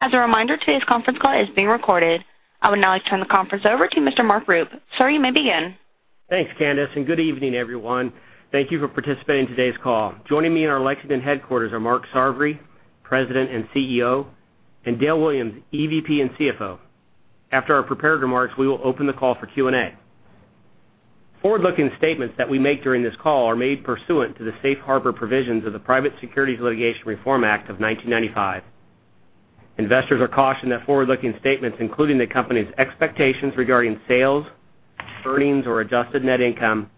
As a reminder, today's conference call is being recorded. I would now like to turn the conference over to Mr. Mark Rupe. Sir, you may begin. Thanks, Candice, good evening, everyone. Thank you for participating in today's call. Joining me in our Lexington headquarters are Mark Sarvary, President and CEO, and Dale Williams, EVP and CFO. After our prepared remarks, we will open the call for Q&A. Forward-looking statements that we make during this call are made pursuant to the safe harbor provisions of the Private Securities Litigation Reform Act of 1995. Investors are cautioned that forward-looking statements, including the company's expectations regarding sales, earnings, or adjusted net income,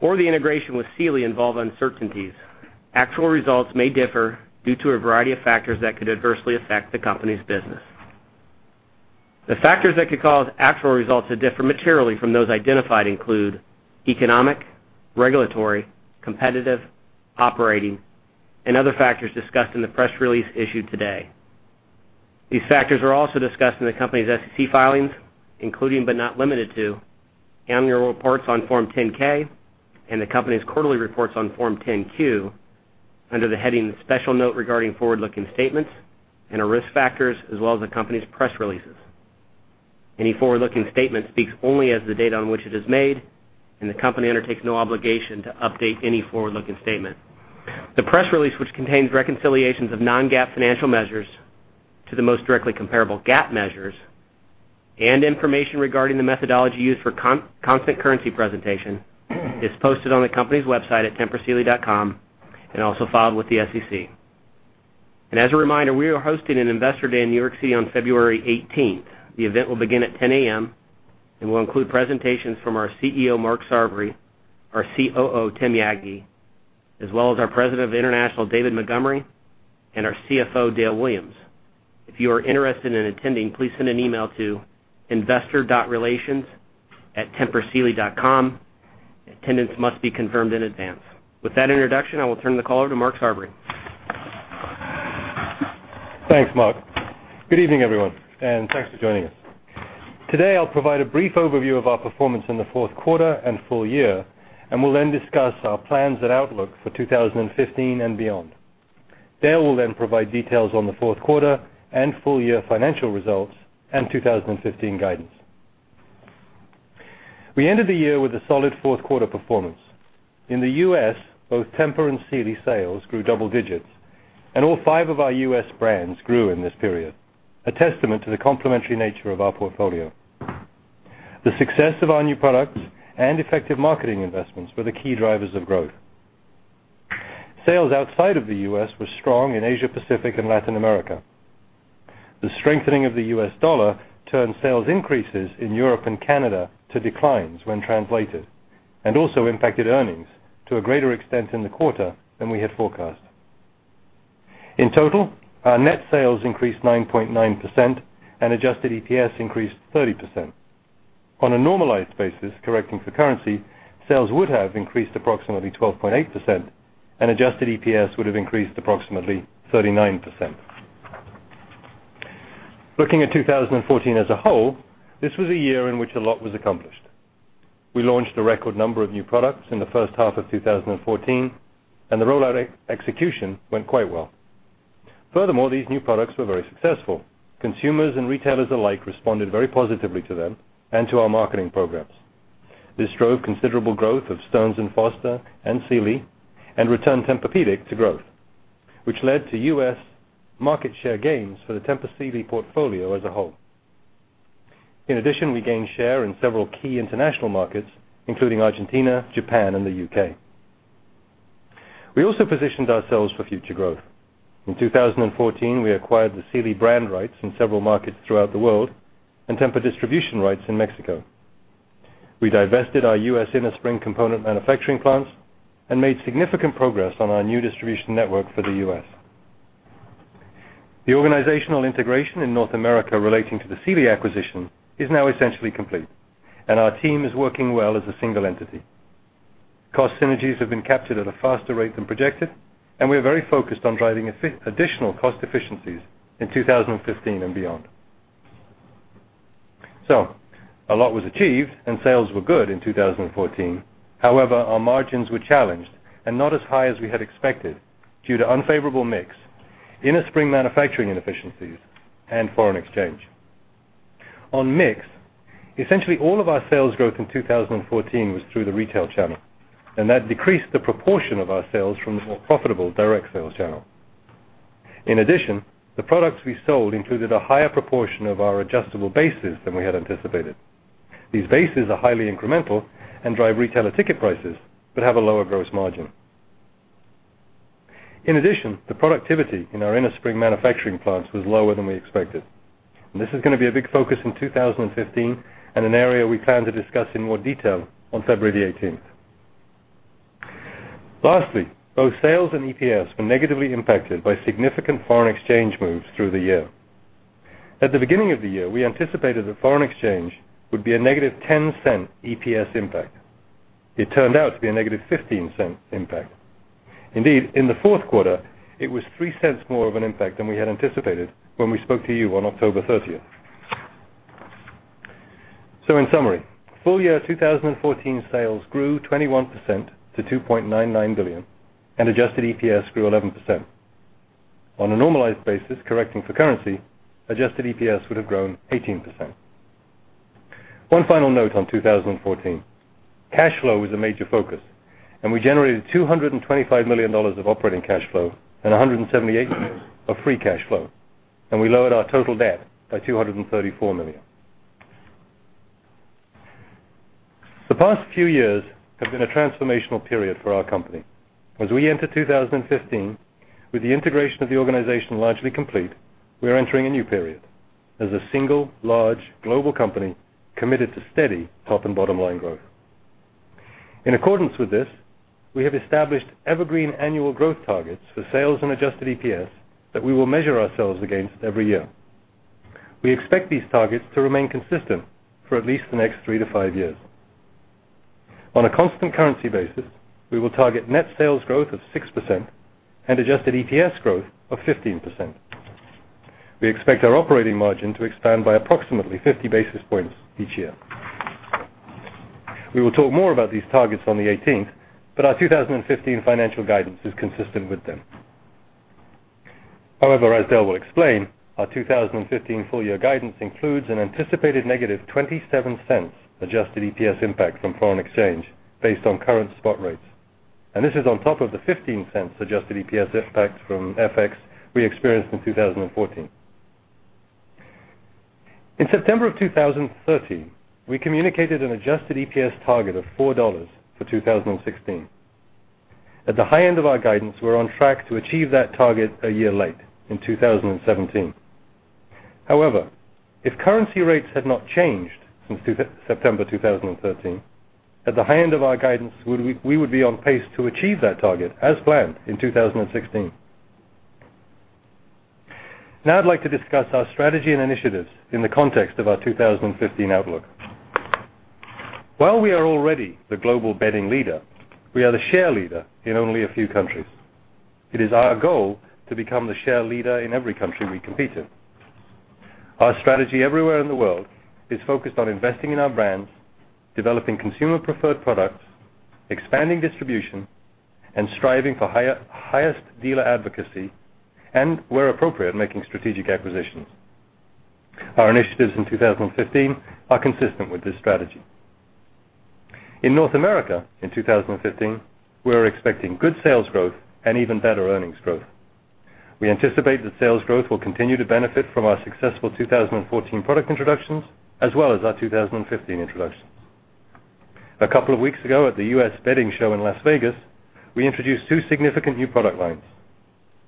or the integration with Sealy involve uncertainties. Actual results may differ due to a variety of factors that could adversely affect the company's business. The factors that could cause actual results to differ materially from those identified include economic, regulatory, competitive, operating, and other factors discussed in the press release issued today. These factors are also discussed in the company's SEC filings, including but not limited to annual reports on Form 10-K and the company's quarterly reports on Form 10-Q under the heading Special Note Regarding Forward-Looking Statements and our risk factors as well as the company's press releases. Any forward-looking statement speaks only as the date on which it is made, and the company undertakes no obligation to update any forward-looking statement. The press release, which contains reconciliations of non-GAAP financial measures to the most directly comparable GAAP measures and information regarding the methodology used for constant currency presentation, is posted on the company's website at tempursealy.com and also filed with the SEC. As a reminder, we are hosting an investor day in New York City on February 18th. The event will begin at 10:00 A.M. Will include presentations from our CEO, Mark Sarvary, our COO, Tim Yagi, as well as our President of International, David Montgomery, and our CFO, Dale Williams. If you are interested in attending, please send an email to investor.relations@tempursealy.com. Attendance must be confirmed in advance. With that introduction, I will turn the call over to Mark Sarvary. Thanks, Mark. Good evening, everyone, and thanks for joining us. Today, I'll provide a brief overview of our performance in the fourth quarter and full year and will then discuss our plans and outlook for 2015 and beyond. Dale will then provide details on the fourth quarter and full-year financial results and 2015 guidance. We ended the year with a solid fourth quarter performance. In the U.S., both Tempur and Sealy sales grew double digits, and all five of our U.S. brands grew in this period, a testament to the complementary nature of our portfolio. The success of our new products and effective marketing investments were the key drivers of growth. Sales outside of the U.S. were strong in Asia Pacific and Latin America. The strengthening of the U.S. dollar turned sales increases in Europe and Canada to declines when translated, and also impacted earnings to a greater extent in the quarter than we had forecast. In total, our net sales increased 9.9%, and adjusted EPS increased 30%. On a normalized basis, correcting for currency, sales would have increased approximately 12.8%, and adjusted EPS would've increased approximately 39%. Looking at 2014 as a whole, this was a year in which a lot was accomplished. We launched a record number of new products in the first half of 2014, and the rollout execution went quite well. These new products were very successful. Consumers and retailers alike responded very positively to them and to our marketing programs. This drove considerable growth of Stearns & Foster and Sealy and returned Tempur-Pedic to growth, which led to U.S. market share gains for the Tempur Sealy portfolio as a whole. In addition, we gained share in several key international markets, including Argentina, Japan, and the U.K. We also positioned ourselves for future growth. In 2014, we acquired the Sealy brand rights in several markets throughout the world and Tempur distribution rights in Mexico. We divested our U.S. innerspring component manufacturing plants and made significant progress on our new distribution network for the U.S. The organizational integration in North America relating to the Sealy acquisition is now essentially complete, and our team is working well as a single entity. Cost synergies have been captured at a faster rate than projected, and we are very focused on driving additional cost efficiencies in 2015 and beyond. A lot was achieved and sales were good in 2014. However, our margins were challenged and not as high as we had expected due to unfavorable mix, innerspring manufacturing inefficiencies, and foreign exchange. On mix, essentially all of our sales growth in 2014 was through the retail channel, and that decreased the proportion of our sales from the more profitable direct sales channel. In addition, the products we sold included a higher proportion of our adjustable bases than we had anticipated. These bases are highly incremental and drive retailer ticket prices but have a lower gross margin. In addition, the productivity in our innerspring manufacturing plants was lower than we expected. This is going to be a big focus in 2015 and an area we plan to discuss in more detail on February the 18th. Lastly, both sales and EPS were negatively impacted by significant foreign exchange moves through the year. At the beginning of the year, we anticipated that foreign exchange would be a negative $0.10 EPS impact. It turned out to be a negative $0.15 impact. Indeed, in the fourth quarter, it was $0.03 more of an impact than we had anticipated when we spoke to you on October 30th. In summary, full year 2014 sales grew 21% to $2.99 billion and adjusted EPS grew 11%. On a normalized basis, correcting for currency, adjusted EPS would have grown 18%. One final note on 2014, cash flow is a major focus, and we generated $225 million of operating cash flow and $178 million of free cash flow, and we lowered our total debt by $234 million. The past few years have been a transformational period for our company. As we enter 2015, with the integration of the organization largely complete, we are entering a new period as a single, large, global company committed to steady top and bottom-line growth. In accordance with this, we have established evergreen annual growth targets for sales and adjusted EPS that we will measure ourselves against every year. We expect these targets to remain consistent for at least the next 3-5 years. On a constant currency basis, we will target net sales growth of 6% and adjusted EPS growth of 15%. We expect our operating margin to expand by approximately 50 basis points each year. We will talk more about these targets on the 18th, but our 2015 financial guidance is consistent with them. As Dale will explain, our 2015 full-year guidance includes an anticipated negative $0.27 adjusted EPS impact from foreign exchange, based on current spot rates, and this is on top of the $0.15 adjusted EPS impact from FX we experienced in 2014. In September of 2013, we communicated an adjusted EPS target of $4 for 2016. At the high end of our guidance, we're on track to achieve that target a year late, in 2017. If currency rates had not changed since September 2013, at the high end of our guidance, we would be on pace to achieve that target as planned in 2016. I'd like to discuss our strategy and initiatives in the context of our 2015 outlook. While we are already the global bedding leader, we are the share leader in only a few countries. It is our goal to become the share leader in every country we compete in. Our strategy everywhere in the world is focused on investing in our brands, developing consumer preferred products, expanding distribution, and striving for highest dealer advocacy, and where appropriate, making strategic acquisitions. Our initiatives in 2015 are consistent with this strategy. In North America in 2015, we are expecting good sales growth and even better earnings growth. We anticipate that sales growth will continue to benefit from our successful 2014 product introductions, as well as our 2015 introductions. A couple of weeks ago at the U.S. Bedding Show in Las Vegas, we introduced two significant new product lines,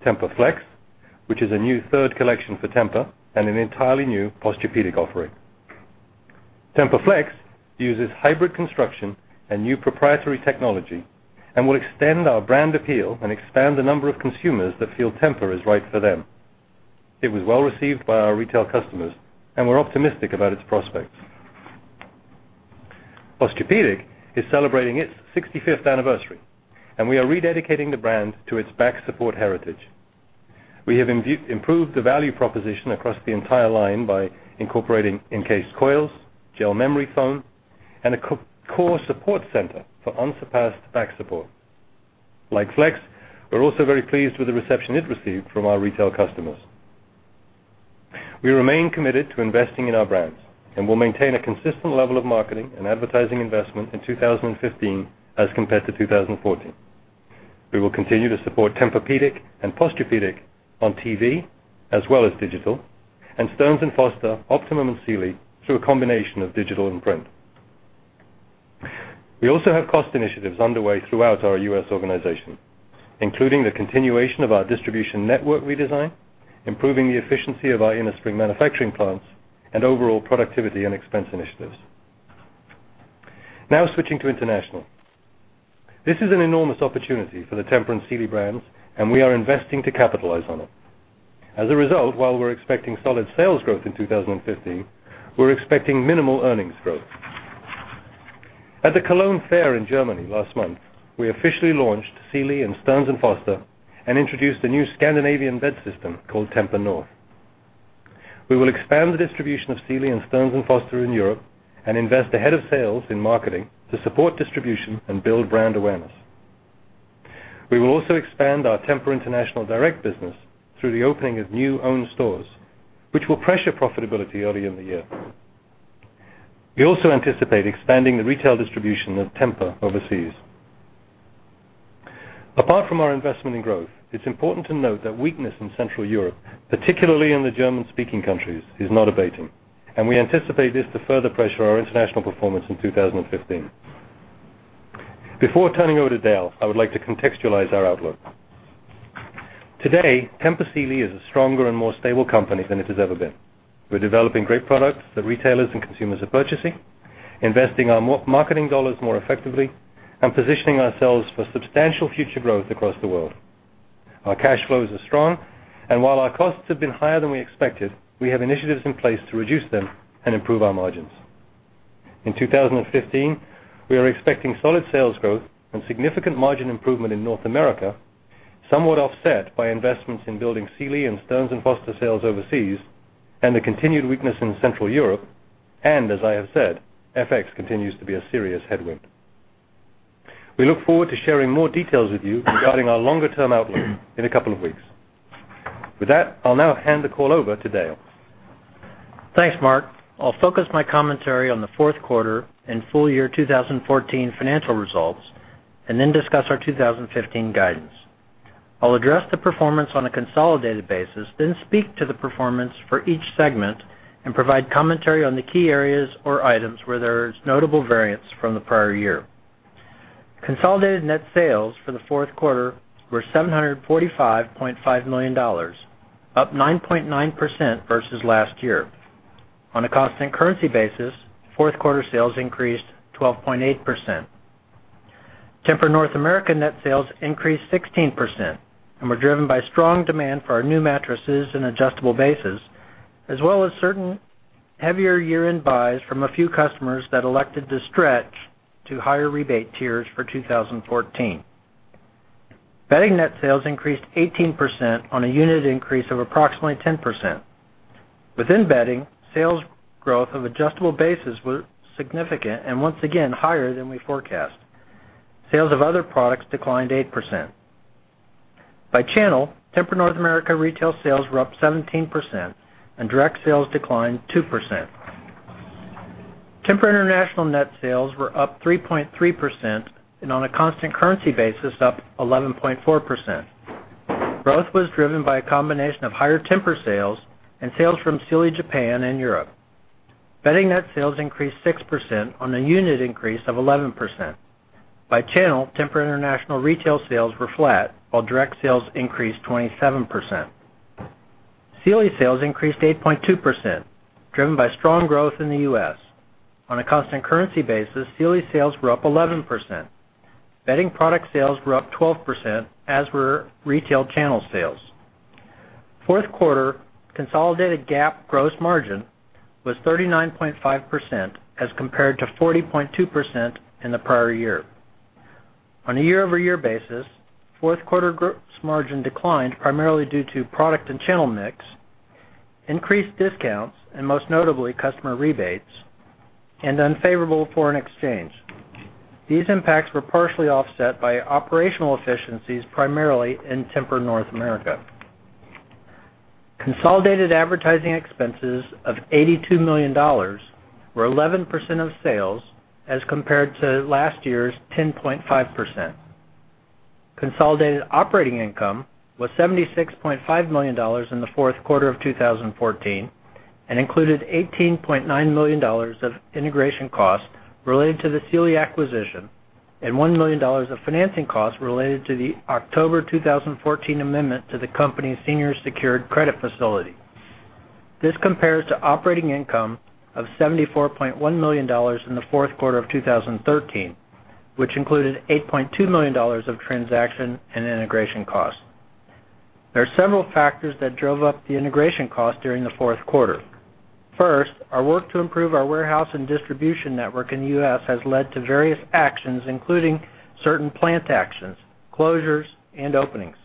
TEMPUR-Flex, which is a new third collection for Tempur and an entirely new Posturepedic offering. Tempur-Flex uses hybrid construction and new proprietary technology and will extend our brand appeal and expand the number of consumers that feel Tempur is right for them. It was well received by our retail customers, and we're optimistic about its prospects. Posturepedic is celebrating its 65th anniversary, and we are rededicating the brand to its back support heritage. We have improved the value proposition across the entire line by incorporating encased coils, gel memory foam, and a core support center for unsurpassed back support. Like Flex, we're also very pleased with the reception it received from our retail customers. We remain committed to investing in our brands and will maintain a consistent level of marketing and advertising investment in 2015 as compared to 2014. We will continue to support Tempur-Pedic and Posturepedic on TV as well as digital, Stearns & Foster, Optimum, and Sealy through a combination of digital and print. We also have cost initiatives underway throughout our U.S. organization, including the continuation of our distribution network redesign, improving the efficiency of our innerspring manufacturing plants, and overall productivity and expense initiatives. Switching to international. This is an enormous opportunity for the Tempur and Sealy brands, and we are investing to capitalize on it. As a result, while we're expecting solid sales growth in 2015, we're expecting minimal earnings growth. At the Cologne Fair in Germany last month, we officially launched Sealy and Stearns & Foster and introduced a new Scandinavian bed system called Tempur North. We will expand the distribution of Sealy and Stearns & Foster in Europe and invest ahead of sales in marketing to support distribution and build brand awareness. We will also expand our Tempur International direct business through the opening of new owned stores, which will pressure profitability early in the year. We also anticipate expanding the retail distribution of Tempur overseas. Apart from our investment in growth, it's important to note that weakness in Central Europe, particularly in the German-speaking countries, is not abating, and we anticipate this to further pressure our international performance in 2015. Before turning over to Dale, I would like to contextualize our outlook. Today, Tempur Sealy is a stronger and more stable company than it has ever been. We're developing great products that retailers and consumers are purchasing, investing our marketing dollars more effectively, and positioning ourselves for substantial future growth across the world. Our cash flows are strong, while our costs have been higher than we expected, we have initiatives in place to reduce them and improve our margins. In 2015, we are expecting solid sales growth and significant margin improvement in North America Somewhat offset by investments in building Sealy and Stearns & Foster sales overseas and the continued weakness in Central Europe. As I have said, FX continues to be a serious headwind. We look forward to sharing more details with you regarding our longer-term outlook in a couple of weeks. With that, I'll now hand the call over to Dale. Thanks, Mark. I'll focus my commentary on the fourth quarter and full year 2014 financial results and then discuss our 2015 guidance. I'll address the performance on a consolidated basis, then speak to the performance for each segment and provide commentary on the key areas or items where there is notable variance from the prior year. Consolidated net sales for the fourth quarter were $745.5 million, up 9.9% versus last year. On a constant currency basis, fourth quarter sales increased 12.8%. Tempur North America net sales increased 16% and were driven by strong demand for our new mattresses and adjustable bases, as well as certain heavier year-end buys from a few customers that elected to stretch to higher rebate tiers for 2014. Bedding net sales increased 18% on a unit increase of approximately 10%. Within bedding, sales growth of adjustable bases were significant and, once again, higher than we forecast. Sales of other products declined 8%. By channel, Tempur North America retail sales were up 17% and direct sales declined 2%. Tempur International net sales were up 3.3% and on a constant currency basis, up 11.4%. Growth was driven by a combination of higher Tempur sales and sales from Sealy Japan and Europe. Bedding net sales increased 6% on a unit increase of 11%. By channel, Tempur International retail sales were flat, while direct sales increased 27%. Sealy sales increased 8.2%, driven by strong growth in the U.S. On a constant currency basis, Sealy sales were up 11%. Bedding product sales were up 12%, as were retail channel sales. Fourth quarter consolidated GAAP gross margin was 39.5% as compared to 40.2% in the prior year. On a year-over-year basis, fourth quarter gross margin declined primarily due to product and channel mix, increased discounts, and most notably, customer rebates, and unfavorable foreign exchange. These impacts were partially offset by operational efficiencies primarily in Tempur North America. Consolidated advertising expenses of $82 million were 11% of sales as compared to last year's 10.5%. Consolidated operating income was $76.5 million in the fourth quarter of 2014 and included $18.9 million of integration costs related to the Sealy acquisition and $1 million of financing costs related to the October 2014 amendment to the company's senior secured credit facility. This compares to operating income of $74.1 million in the fourth quarter of 2013, which included $8.2 million of transaction and integration costs. There are several factors that drove up the integration cost during the fourth quarter. First, our work to improve our warehouse and distribution network in the U.S. has led to various actions, including certain plant actions, closures, and openings.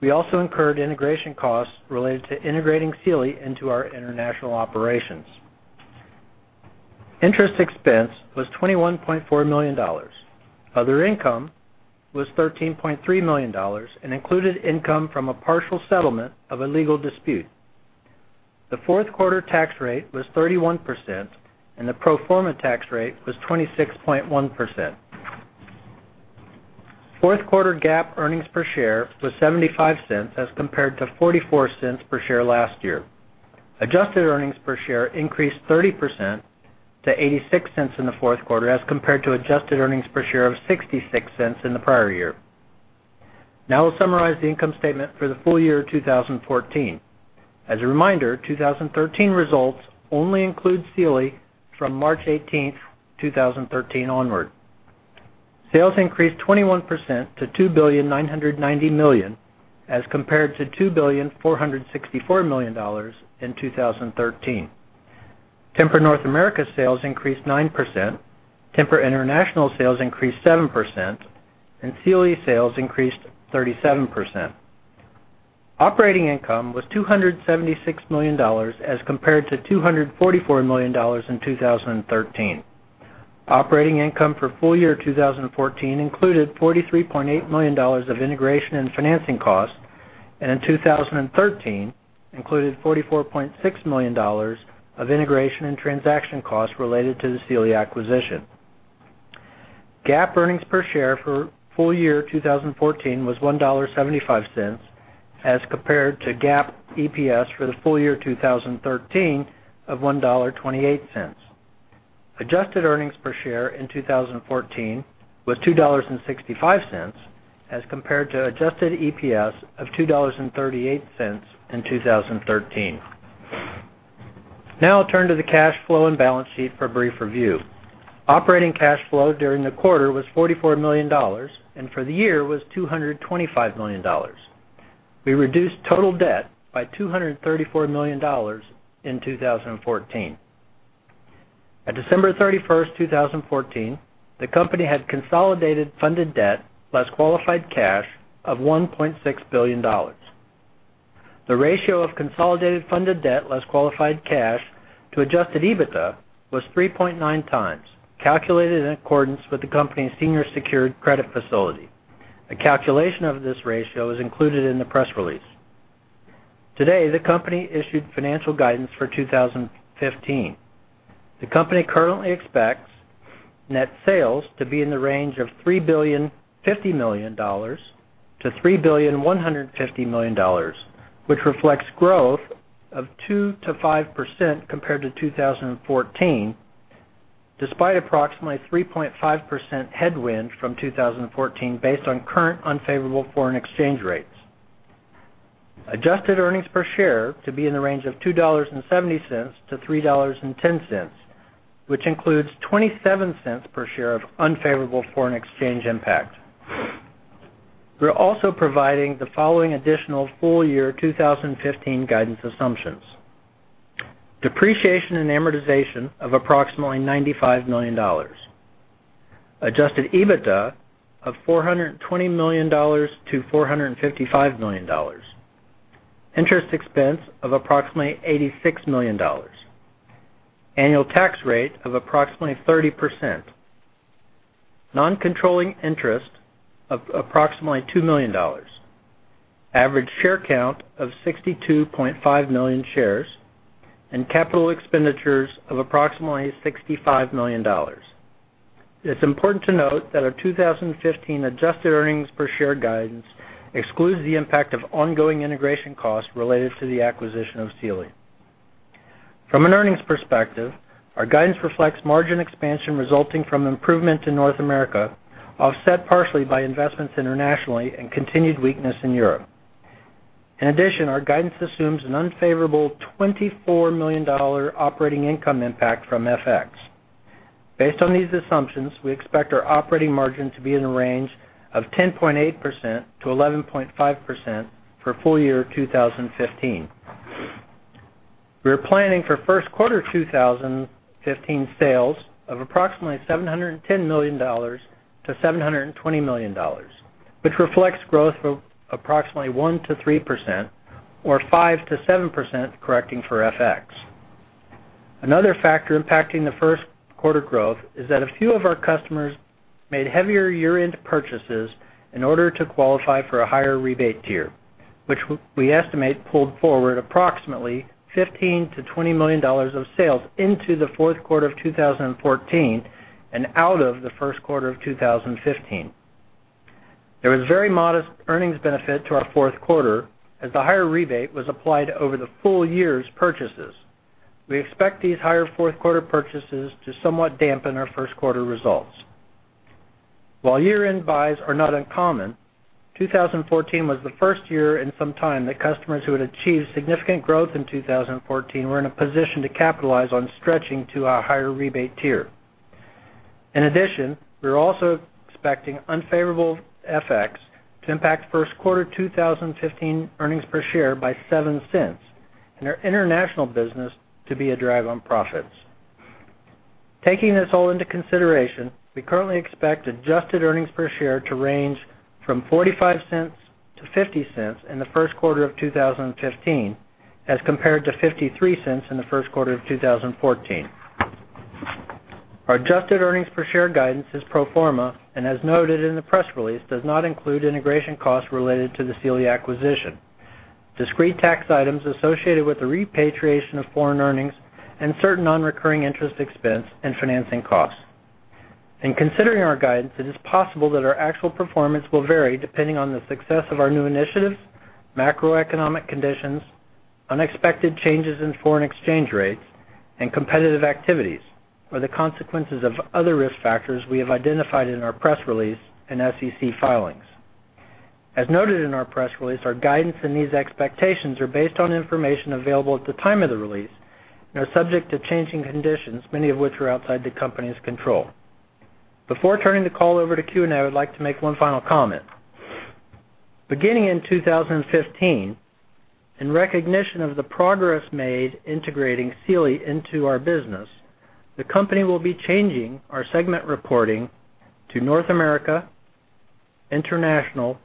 We also incurred integration costs related to integrating Sealy into our international operations. Interest expense was $21.4 million. Other income was $13.3 million and included income from a partial settlement of a legal dispute. The fourth quarter tax rate was 31%, and the pro forma tax rate was 26.1%. Fourth quarter GAAP earnings per share was $0.75 as compared to $0.44 per share last year. Adjusted earnings per share increased 30% to $0.86 in the fourth quarter as compared to adjusted earnings per share of $0.66 in the prior year. Now I'll summarize the income statement for the full year 2014. As a reminder, 2013 results only include Sealy from March 18th, 2013 onward. Sales increased 21% to $2.99 billion as compared to $2.464 billion in 2013. Tempur-Pedic North America sales increased 9%, Tempur International sales increased 7%, and Sealy sales increased 37%. Operating income was $276 million as compared to $244 million in 2013. Operating income for full year 2014 included $43.8 million of integration and financing costs, and in 2013 included $44.6 million of integration and transaction costs related to the Sealy acquisition. GAAP earnings per share for full year 2014 was $1.75 as compared to GAAP EPS for the full year 2013 of $1.28. Adjusted earnings per share in 2014 was $2.65 as compared to adjusted EPS of $2.38 in 2013. I'll turn to the cash flow and balance sheet for a brief review. Operating cash flow during the quarter was $44 million, and for the year was $225 million. We reduced total debt by $234 million in 2014. At December 31st, 2014, the company had consolidated funded debt, less qualified cash, of $1.6 billion. The ratio of consolidated funded debt, less qualified cash to adjusted EBITDA was 3.9 times, calculated in accordance with the company's senior secured credit facility. A calculation of this ratio is included in the press release. The company issued financial guidance for 2015. The company currently expects net sales to be in the range of $3 billion to $3.15 billion, which reflects growth of 2%-5% compared to 2014, despite approximately 3.5% headwind from 2014 based on current unfavorable foreign exchange rates. Adjusted earnings per share to be in the range of $2.70 to $3.10, which includes $0.27 per share of unfavorable foreign exchange impact. We're also providing the following additional full-year 2015 guidance assumptions. Depreciation and amortization of approximately $95 million. Adjusted EBITDA of $420 million to $455 million. Interest expense of approximately $86 million. Annual tax rate of approximately 30%. Non-controlling interest of approximately $2 million. Average share count of 62.5 million shares, and capital expenditures of approximately $65 million. It's important to note that our 2015 adjusted earnings per share guidance excludes the impact of ongoing integration costs related to the acquisition of Sealy. From an earnings perspective, our guidance reflects margin expansion resulting from improvement in North America, offset partially by investments internationally and continued weakness in Europe. In addition, our guidance assumes an unfavorable $24 million operating income impact from FX. Based on these assumptions, we expect our operating margin to be in the range of 10.8%-11.5% for full-year 2015. We're planning for first quarter 2015 sales of approximately $710 million to $720 million, which reflects growth of approximately 1%-3%, or 5%-7% correcting for FX. Another factor impacting the first quarter growth is that a few of our customers made heavier year-end purchases in order to qualify for a higher rebate tier, which we estimate pulled forward approximately $15 million to $20 million of sales into the fourth quarter of 2014 and out of the first quarter of 2015. There was very modest earnings benefit to our fourth quarter as the higher rebate was applied over the full year's purchases. We expect these higher fourth quarter purchases to somewhat dampen our first quarter results. While year-end buys are not uncommon, 2014 was the first year in some time that customers who had achieved significant growth in 2014 were in a position to capitalize on stretching to a higher rebate tier. In addition, we're also expecting unfavorable FX to impact first quarter 2015 earnings per share by $0.07, and our international business to be a drag on profits. Taking this all into consideration, we currently expect adjusted earnings per share to range from $0.45-$0.50 in the first quarter of 2015, as compared to $0.53 in the first quarter of 2014. Our adjusted earnings per share guidance is pro forma and as noted in the press release, does not include integration costs related to the Sealy acquisition, discrete tax items associated with the repatriation of foreign earnings and certain non-recurring interest expense and financing costs. In considering our guidance, it is possible that our actual performance will vary depending on the success of our new initiatives, macroeconomic conditions, unexpected changes in foreign exchange rates and competitive activities, or the consequences of other risk factors we have identified in our press release and SEC filings. As noted in our press release, our guidance and these expectations are based on information available at the time of the release and are subject to changing conditions, many of which are outside the company's control. Before turning the call over to Q&A, I would like to make one final comment. Beginning in 2015, in recognition of the progress made integrating Sealy into our business, the company will be changing our segment reporting to North America, International,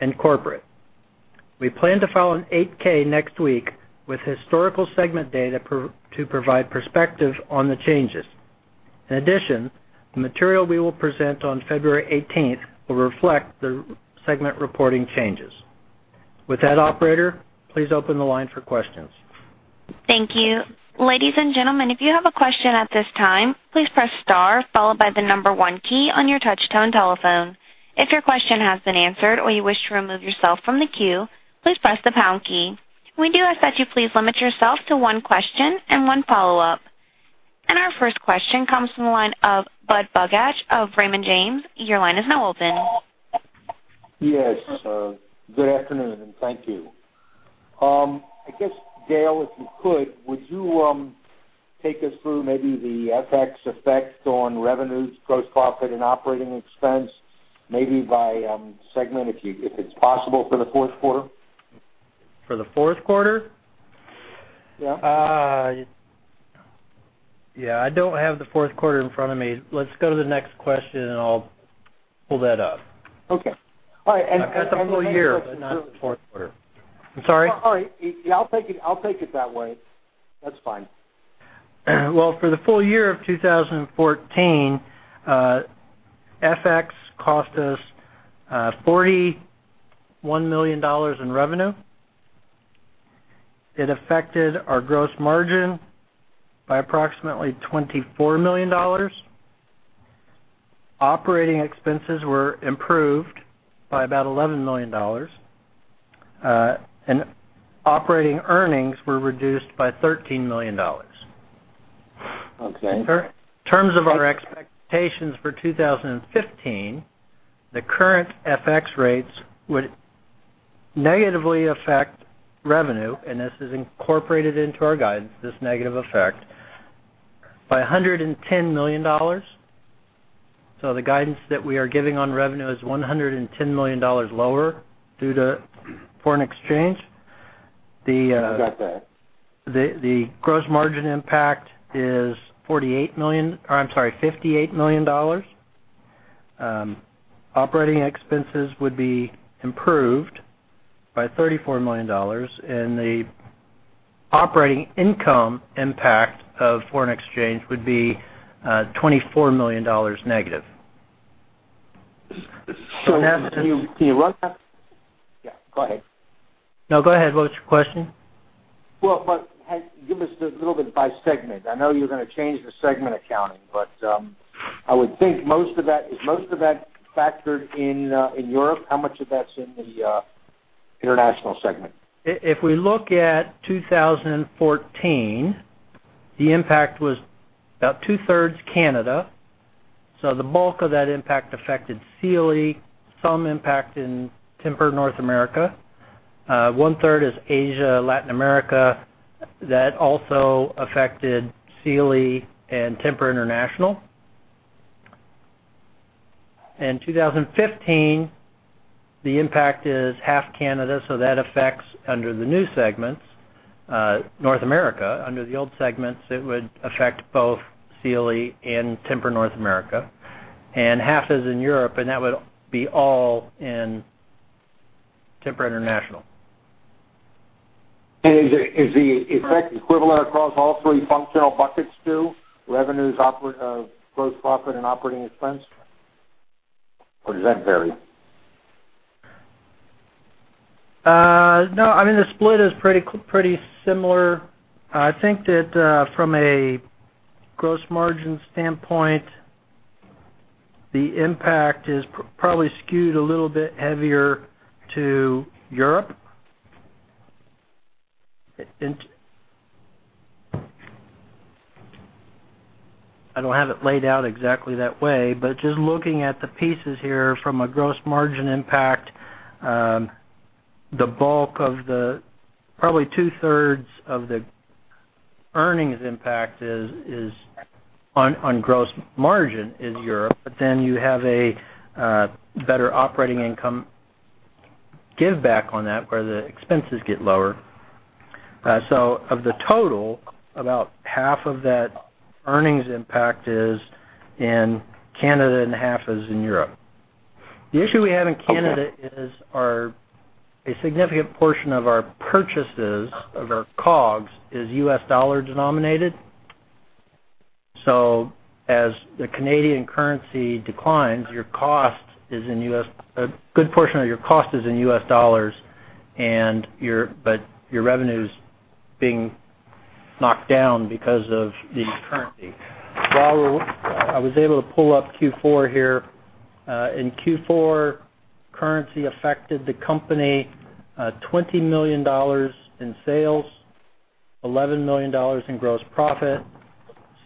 and Corporate. We plan to file an 8-K next week with historical segment data to provide perspective on the changes. In addition, the material we will present on February 18th will reflect the segment reporting changes. With that, operator, please open the line for questions. Thank you. Ladies and gentlemen, if you have a question at this time, please press star followed by the number one key on your touch tone telephone. If your question has been answered or you wish to remove yourself from the queue, please press the pound key. We do ask that you please limit yourself to one question and one follow-up. Our first question comes from the line of Budd Bugatch of Raymond James. Your line is now open. Yes. Good afternoon, and thank you. I guess, Dale, if you could, would you take us through maybe the FX effect on revenues, gross profit, and operating expense, maybe by segment, if it's possible for the fourth quarter? For the fourth quarter? Yeah. Yeah. I don't have the fourth quarter in front of me. Let's go to the next question. I'll pull that up. Okay. All right. I've got the full year, but not the fourth quarter. I'm sorry? No. All right. Yeah, I'll take it that way. That's fine. Well, for the full year of 2014, FX cost us $41 million in revenue. It affected our gross margin by approximately $24 million. Operating expenses were improved by about $11 million. Operating earnings were reduced by $13 million. Okay. In terms of our expectations for 2015, the current FX rates would negatively affect revenue, and this is incorporated into our guidance, this negative effect, by $110 million. The guidance that we are giving on revenue is $110 million lower due to foreign exchange. I got that The gross margin impact is $58 million. Operating expenses would be improved by $34 million. The operating income impact of foreign exchange would be $24 million negative. Can you run that? Yeah, go ahead. No, go ahead. What was your question? Well, give us a little bit by segment. I know you're going to change the segment accounting, I would think is most of that factored in Europe? How much of that's in the international segment? If we look at 2014, the impact was about two-thirds Canada. The bulk of that impact affected Sealy, some impact in Tempur North America. One-third is Asia, Latin America. That also affected Sealy and Tempur International. In 2015, the impact is half Canada, that affects under the new segments, North America. Under the old segments, it would affect both Sealy and Tempur North America, half is in Europe, that would be all in Tempur International. Is the effect equivalent across all three functional buckets too, revenues, gross profit, and operating expense? Does that vary? No. The split is pretty similar. I think that from a gross margin standpoint, the impact is probably skewed a little bit heavier to Europe. I don't have it laid out exactly that way, just looking at the pieces here from a gross margin impact, probably two-thirds of the earnings impact on gross margin is Europe. You have a better operating income give back on that where the expenses get lower. Of the total, about half of that earnings impact is in Canada, half is in Europe. The issue we have in Canada- Okay is a significant portion of our purchases, of our COGS, is U.S. dollar denominated. As the Canadian currency declines, a good portion of your cost is in U.S. dollars, but your revenue's being knocked down because of the currency. I was able to pull up Q4 here. In Q4, currency affected the company $20 million in sales, $11 million in gross profit,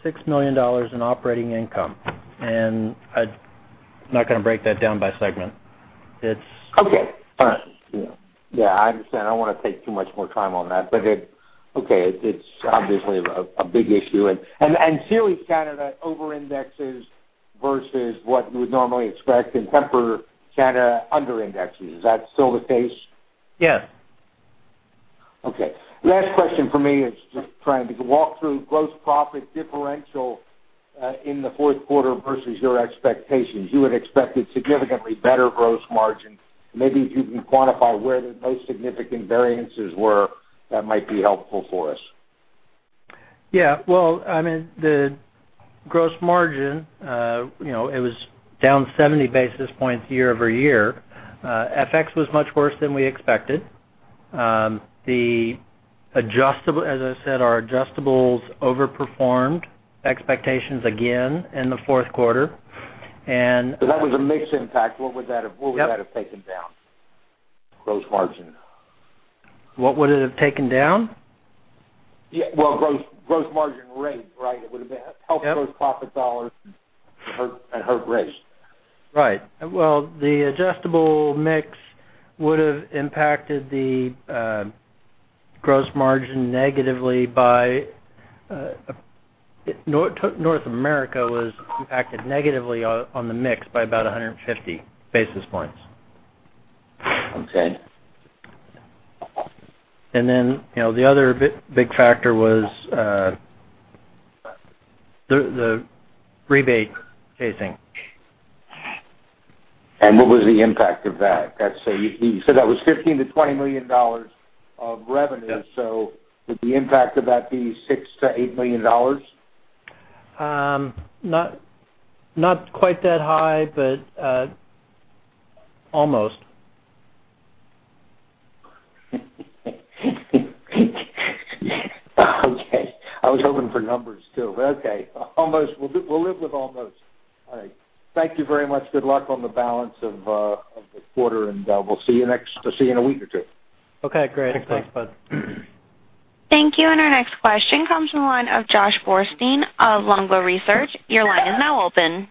$6 million in operating income. I'm not going to break that down by segment. Okay. All right. Yeah. I understand. I don't want to take too much more time on that. It's obviously a big issue. Sealy Canada over-indexes versus what you would normally expect, and Tempur-Pedic Canada under-indexes. Is that still the case? Yes. Okay. Last question from me is just trying to walk through gross profit differential in the fourth quarter versus your expectations. You had expected significantly better gross margin. Maybe if you can quantify where the most significant variances were, that might be helpful for us. Yeah. Well, the gross margin was down 70 basis points year-over-year. FX was much worse than we expected. As I said, our adjustables overperformed expectations again in the fourth quarter. that was a mix impact. What would that have- Yep taken down? Gross margin. What would it have taken down? Yeah. Well, gross margin rate, right? It would've helped- Yep gross profit dollars and hurt rates. Right. Well, the adjustable mix would've impacted the gross margin negatively by North America was impacted negatively on the mix by about 150 basis points. Okay. The other big factor was the rebate phasing. What was the impact of that? You said that was $15 million to $20 million of revenue. Yes. Would the impact of that be $6 million to $8 million? Not quite that high, but almost. Okay. I was hoping for numbers, too, but okay. Almost. We'll live with almost. All right. Thank you very much. Good luck on the balance of the quarter, and I'll see you in a week or two. Okay, great. Thanks, Budd. Thank you. Our next question comes from the line of Joshua Borstein of Longbow Research. Your line is now open.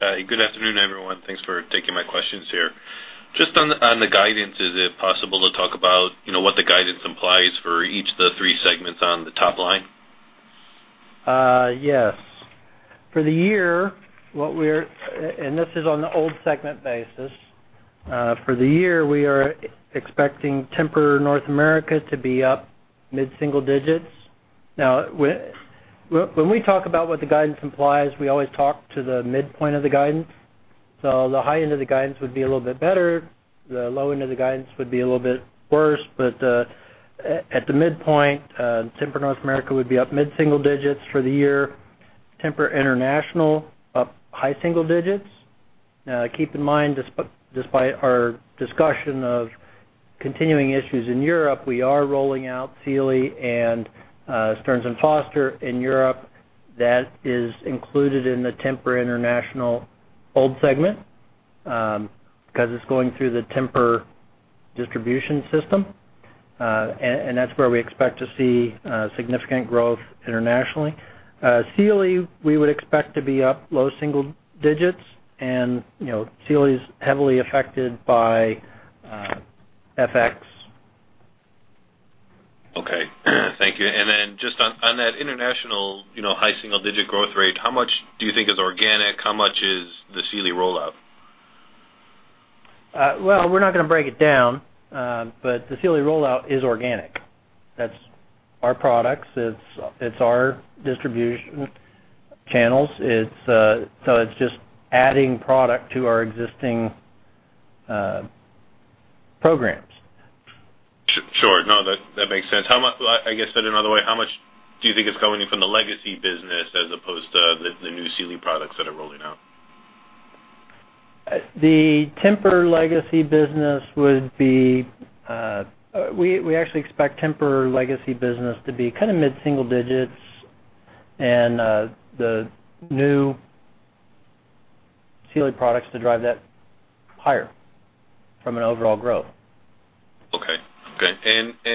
Good afternoon, everyone. Thanks for taking my questions here. Just on the guidance, is it possible to talk about what the guidance implies for each of the three segments on the top line? Yes. For the year, this is on the old segment basis. For the year, we are expecting Tempur North America to be up mid-single digits. When we talk about what the guidance implies, we always talk to the midpoint of the guidance. The high end of the guidance would be a little bit better. The low end of the guidance would be a little bit worse, at the midpoint, Tempur North America would be up mid-single digits for the year. Tempur International, up high single digits. Keep in mind, despite our discussion of continuing issues in Europe, we are rolling out Sealy and Stearns & Foster in Europe. That is included in the Tempur International old segment, because it's going through the Tempur distribution system. That's where we expect to see significant growth internationally. Sealy, we would expect to be up low single digits, Sealy's heavily affected by FX. Okay. Thank you. Just on that international high single-digit growth rate, how much do you think is organic? How much is the Sealy rollout? Well, we're not going to break it down. The Sealy rollout is organic. That's our products. It's our distribution channels. It's just adding product to our existing programs. Sure. No, that makes sense. I guess said another way, how much do you think is coming in from the legacy business as opposed to the new Sealy products that are rolling out? We actually expect Tempur-Pedic legacy business to be mid-single digits the new Sealy products to drive that higher from an overall growth. Okay.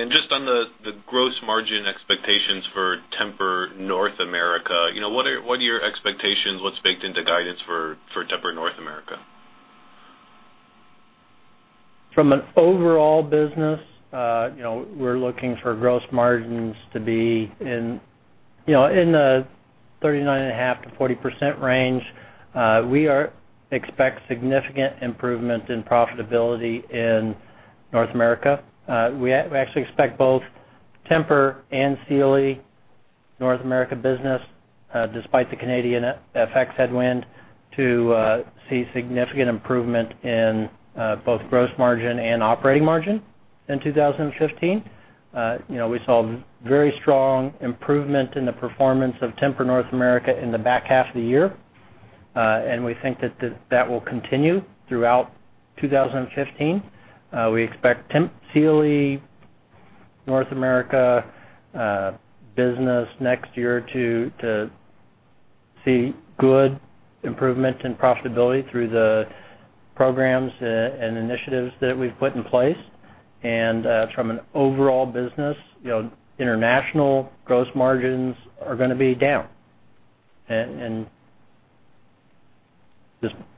Just on the gross margin expectations for Tempur North America, what are your expectations? What's baked into guidance for Tempur North America? From an overall business, we're looking for gross margins to be in the 39.5%-40% range. We expect significant improvement in profitability in North America. We actually expect both Tempur and Sealy North America business, despite the Canadian FX headwind, to see significant improvement in both gross margin and operating margin in 2015. We saw very strong improvement in the performance of Tempur North America in the back half of the year. We think that will continue throughout 2015. We expect Sealy North America business next year to see good improvement in profitability through the programs and initiatives that we've put in place. From an overall business, international gross margins are going to be down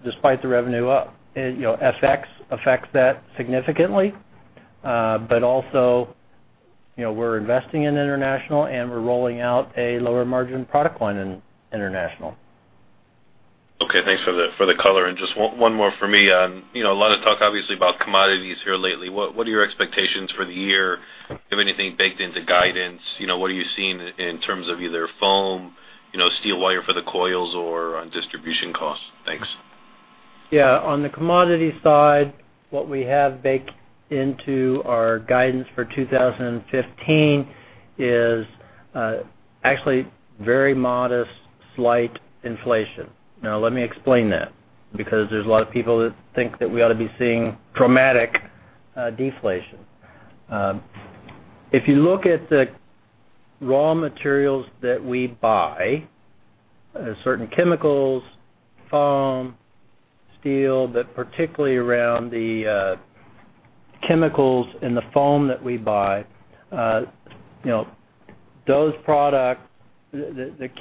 despite the revenue up. FX affects that significantly. Also, we're investing in international, and we're rolling out a lower margin product line in international. Okay, thanks for the color. Just one more from me. A lot of talk, obviously, about commodities here lately. What are your expectations for the year? Do you have anything baked into guidance? What are you seeing in terms of either foam, steel wire for the coils, or on distribution costs? Thanks. Yeah. On the commodity side, what we have baked into our guidance for 2015 is actually very modest, slight inflation. Now, let me explain that, because there's a lot of people that think that we ought to be seeing dramatic deflation. If you look at the raw materials that we buy, certain chemicals, foam, steel, but particularly around the chemicals and the foam that we buy. The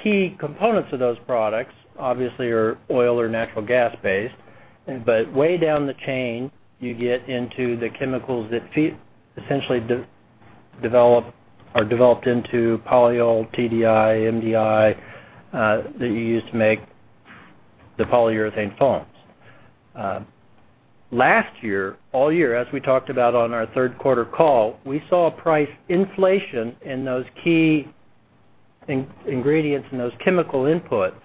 key components of those products obviously are oil or natural gas-based. Way down the chain, you get into the chemicals that essentially are developed into polyol, TDI, MDI, that you use to make the polyurethane foams. Last year, all year, as we talked about on our third quarter call, we saw a price inflation in those key ingredients and those chemical inputs,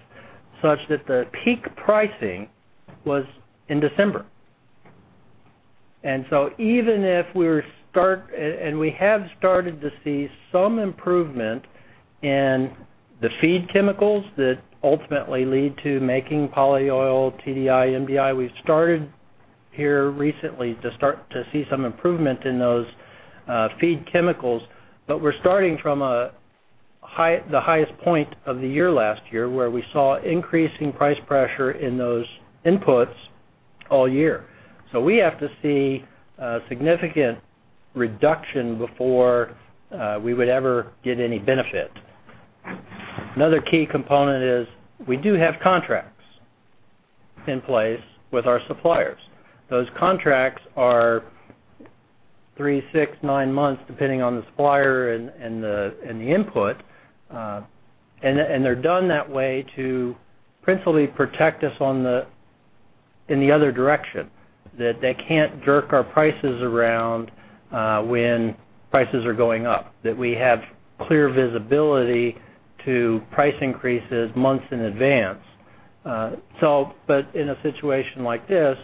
such that the peak pricing was in December. We have started to see some improvement in the feed chemicals that ultimately lead to making polyol, TDI, MDI. We've started here recently to see some improvement in those feed chemicals. We're starting from the highest point of the year last year, where we saw increasing price pressure in those inputs all year. We have to see a significant reduction before we would ever get any benefit. Another key component is we do have contracts in place with our suppliers. Those contracts are three, six, nine months, depending on the supplier and the input. They're done that way to principally protect us in the other direction. That they can't jerk our prices around when prices are going up. That we have clear visibility to price increases months in advance. In a situation like this,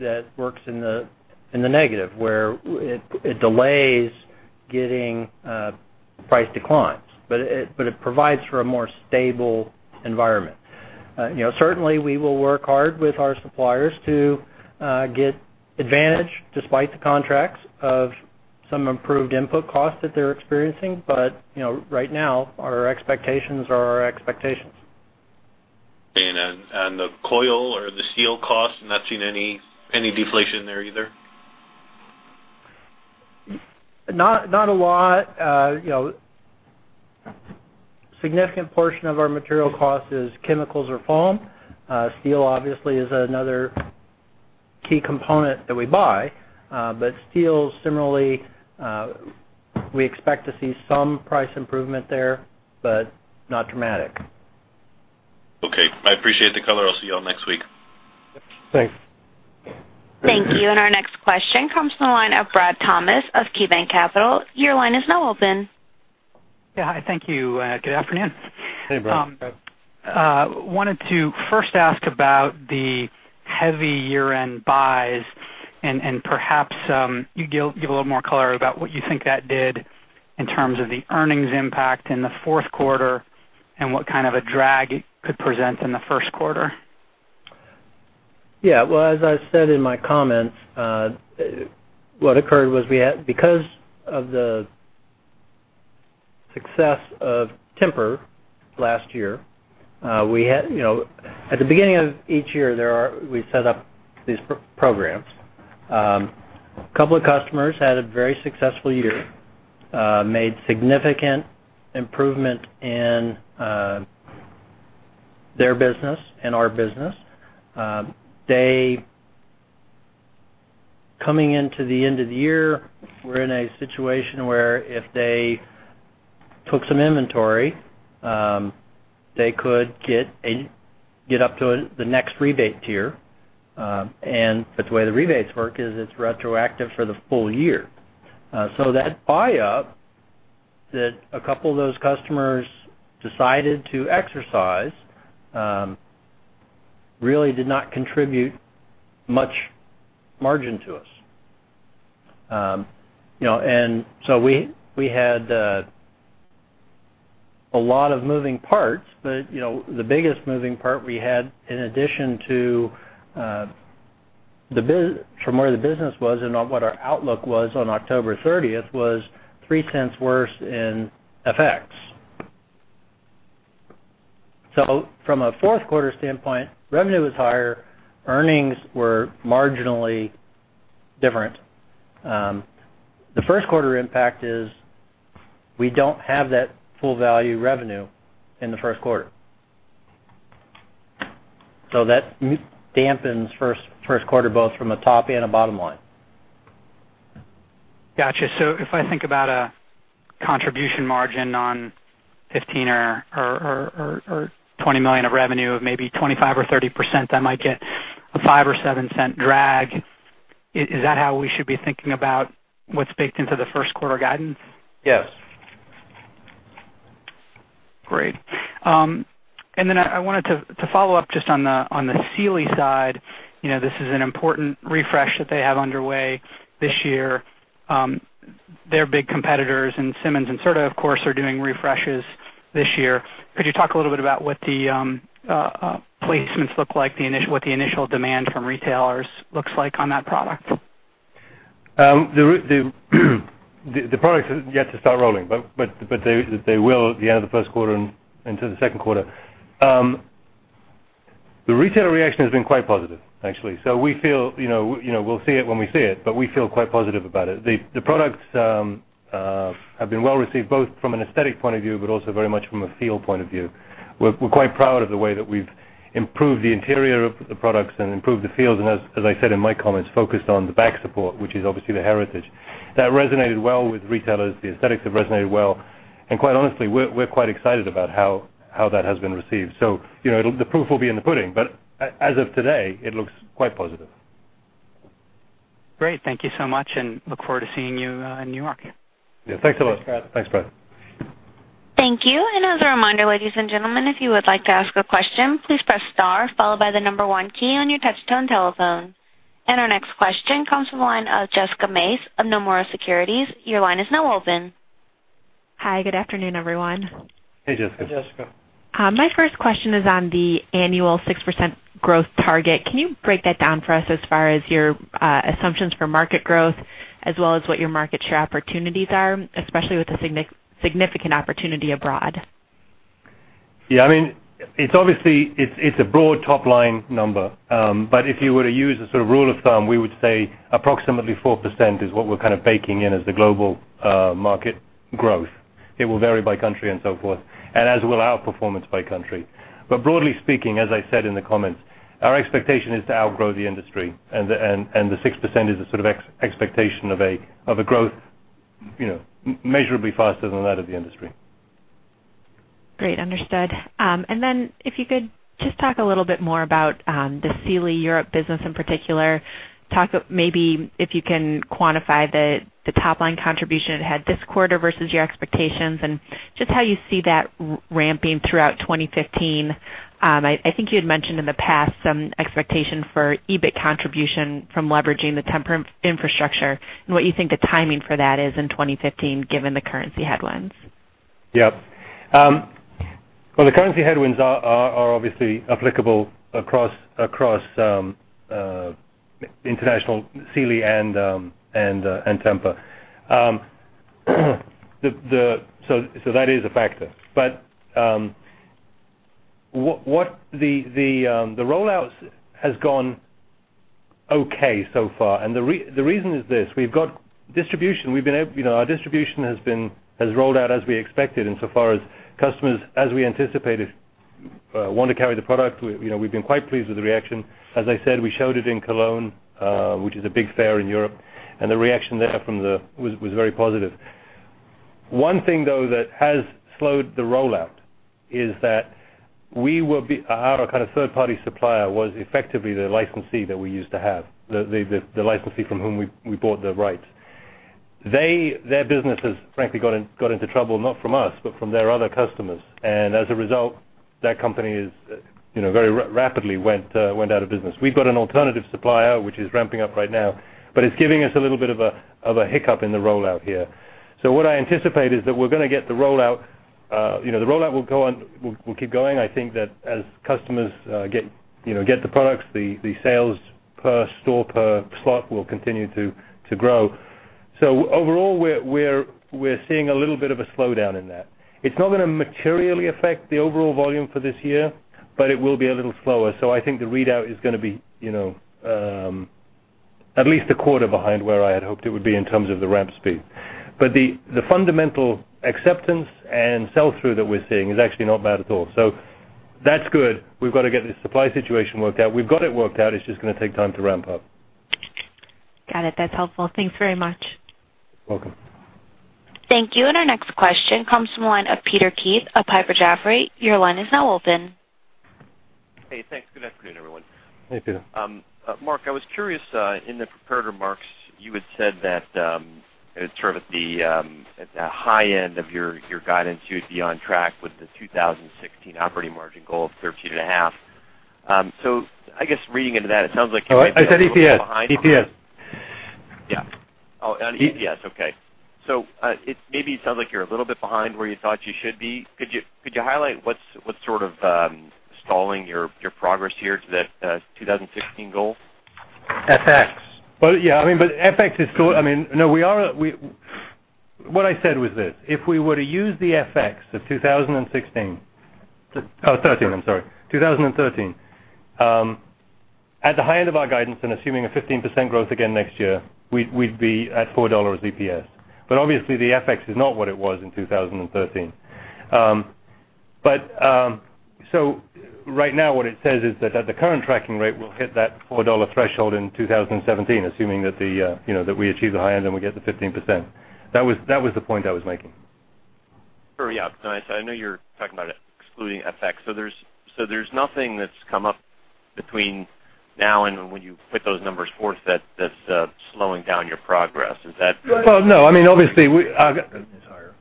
that works in the negative, where it delays getting price declines. It provides for a more stable environment. Certainly, we will work hard with our suppliers to get advantage, despite the contracts, of some improved input costs that they're experiencing. Right now, our expectations are our expectations. The coil or the steel cost, not seeing any deflation there either? Not a lot. Significant portion of our material cost is chemicals or foam. Steel obviously is another key component that we buy. Steel, similarly, we expect to see some price improvement there, but not dramatic. Okay. I appreciate the color. I'll see you all next week. Thanks. Thank you. Our next question comes from the line of Brad Thomas of KeyBanc Capital. Your line is now open. Yeah. Hi, thank you. Good afternoon. Hey, Brad. Hey, Brad. Wanted to first ask about the heavy year-end buys and perhaps you give a little more color about what you think that did in terms of the earnings impact in the fourth quarter, and what kind of a drag it could present in the first quarter. Yeah. Well, as I said in my comments, what occurred was because of the success of Tempur-Pedic last year, at the beginning of each year, we set up these programs. Couple of customers had a very successful year. Made significant improvement in their business and our business. Coming into the end of the year, we're in a situation where if they took some inventory, they could get up to the next rebate tier. The way the rebates work is it's retroactive for the full year. That buy-up that a couple of those customers decided to exercise really did not contribute much margin to us. We had a lot of moving parts, but the biggest moving part we had, in addition from where the business was and what our outlook was on October 30th, was $0.03 worse in FX. From a fourth quarter standpoint, revenue was higher, earnings were marginally different. The first quarter impact is we don't have that full value revenue in the first quarter. That dampens first quarter, both from a top and a bottom line. Got you. If I think about a contribution margin on 15 or 20 million of revenue of maybe 25% or 30%, I might get a $0.05 or $0.07 drag. Is that how we should be thinking about what's baked into the first quarter guidance? Yes. Great. I wanted to follow up just on the Sealy side. This is an important refresh that they have underway this year. Their big competitors in Simmons and Serta, of course, are doing refreshes this year. Could you talk a little bit about what the placements look like, what the initial demand from retailers looks like on that product? The product has yet to start rolling, but they will at the end of the first quarter and into the second quarter. The retailer reaction has been quite positive, actually. We'll see it when we see it, but we feel quite positive about it. The products have been well-received, both from an aesthetic point of view, but also very much from a feel point of view. We're quite proud of the way that we've improved the interior of the products and improved the feel. As I said in my comments, focused on the back support, which is obviously the heritage. That resonated well with retailers. The aesthetics have resonated well. Quite honestly, we're quite excited about how that has been received. The proof will be in the pudding, but as of today, it looks quite positive. Great. Thank you so much, and look forward to seeing you in New York. Yeah. Thanks a lot. Thanks, Brad. Thanks, Brad. Thank you. As a reminder, ladies and gentlemen, if you would like to ask a question, please press star followed by the number 1 key on your touch-tone telephone. Our next question comes from the line of Jessica Mace of Nomura Securities. Your line is now open. Hi. Good afternoon, everyone. Hey, Jessica. Hey, Jessica. My first question is on the annual 6% growth target. Can you break that down for us as far as your assumptions for market growth as well as what your market share opportunities are, especially with the significant opportunity abroad? Yeah. It's a broad top-line number. If you were to use a sort of rule of thumb, we would say approximately 4% is what we're kind of baking in as the global market growth. It will vary by country and so forth, as will our performance by country. Broadly speaking, as I said in the comments, our expectation is to outgrow the industry, and the 6% is a sort of expectation of a growth measurably faster than that of the industry. Great. Understood. If you could just talk a little bit more about the Sealy Europe business in particular. Maybe if you can quantify the top-line contribution it had this quarter versus your expectations and just how you see that ramping throughout 2015. I think you had mentioned in the past some expectation for EBIT contribution from leveraging the Tempur-Pedic infrastructure and what you think the timing for that is in 2015 given the currency headwinds. Yep. Well, the currency headwinds are obviously applicable across international Sealy and Tempur-Pedic. That is a factor. The rollout has gone okay so far, and the reason is this. Our distribution has rolled out as we expected insofar as customers, as we anticipated, want to carry the product. We've been quite pleased with the reaction. As I said, we showed it in Cologne, which is a big fair in Europe, and the reaction there was very positive. One thing, though, that has slowed the rollout is that our kind of third-party supplier was effectively the licensee that we used to have, the licensee from whom we bought the rights. Their business has frankly got into trouble, not from us, but from their other customers. As a result, that company very rapidly went out of business. We've got an alternative supplier, which is ramping up right now, but it's giving us a little bit of a hiccup in the rollout here. What I anticipate is that we're going to get the rollout. The rollout will keep going. I think that as customers get the products, the sales per store, per slot will continue to grow. Overall, we're seeing a little bit of a slowdown in that. It's not going to materially affect the overall volume for this year, but it will be a little slower. I think the readout is going to be at least a quarter behind where I had hoped it would be in terms of the ramp speed. But the fundamental acceptance and sell-through that we're seeing is actually not bad at all. That's good. We've got to get the supply situation worked out. We've got it worked out. It's just going to take time to ramp up. Got it. That's helpful. Thanks very much. Welcome. Thank you. Our next question comes from the line of Peter Keith of Piper Jaffray. Your line is now open. Hey, thanks. Good afternoon, everyone. Hey, Peter. Mark, I was curious. In the prepared remarks, you had said that sort of at the high end of your guidance, you would be on track with the 2016 operating margin goal of 13 and a half. I guess reading into that, it sounds like you might be- I said EPS a little bit behind on that. EPS. Yeah. Oh, on EPS. Okay. Maybe it sounds like you're a little bit behind where you thought you should be. Could you highlight what's sort of stalling your progress here to that 2016 goal? FX. Well, yeah. No, what I said was this. If we were to use the FX of 2016. Oh, '13, I'm sorry. 2013. At the high end of our guidance and assuming a 15% growth again next year, we'd be at $4 EPS. Obviously, the FX is not what it was in 2013. Right now, what it says is that at the current tracking rate, we'll hit that $4 threshold in 2017, assuming that we achieve the high end and we get the 15%. That was the point I was making. Sure. Yeah. No. I know you're talking about excluding FX. There's nothing that's come up between now and when you put those numbers forth that's slowing down your progress. Is that? Well, no.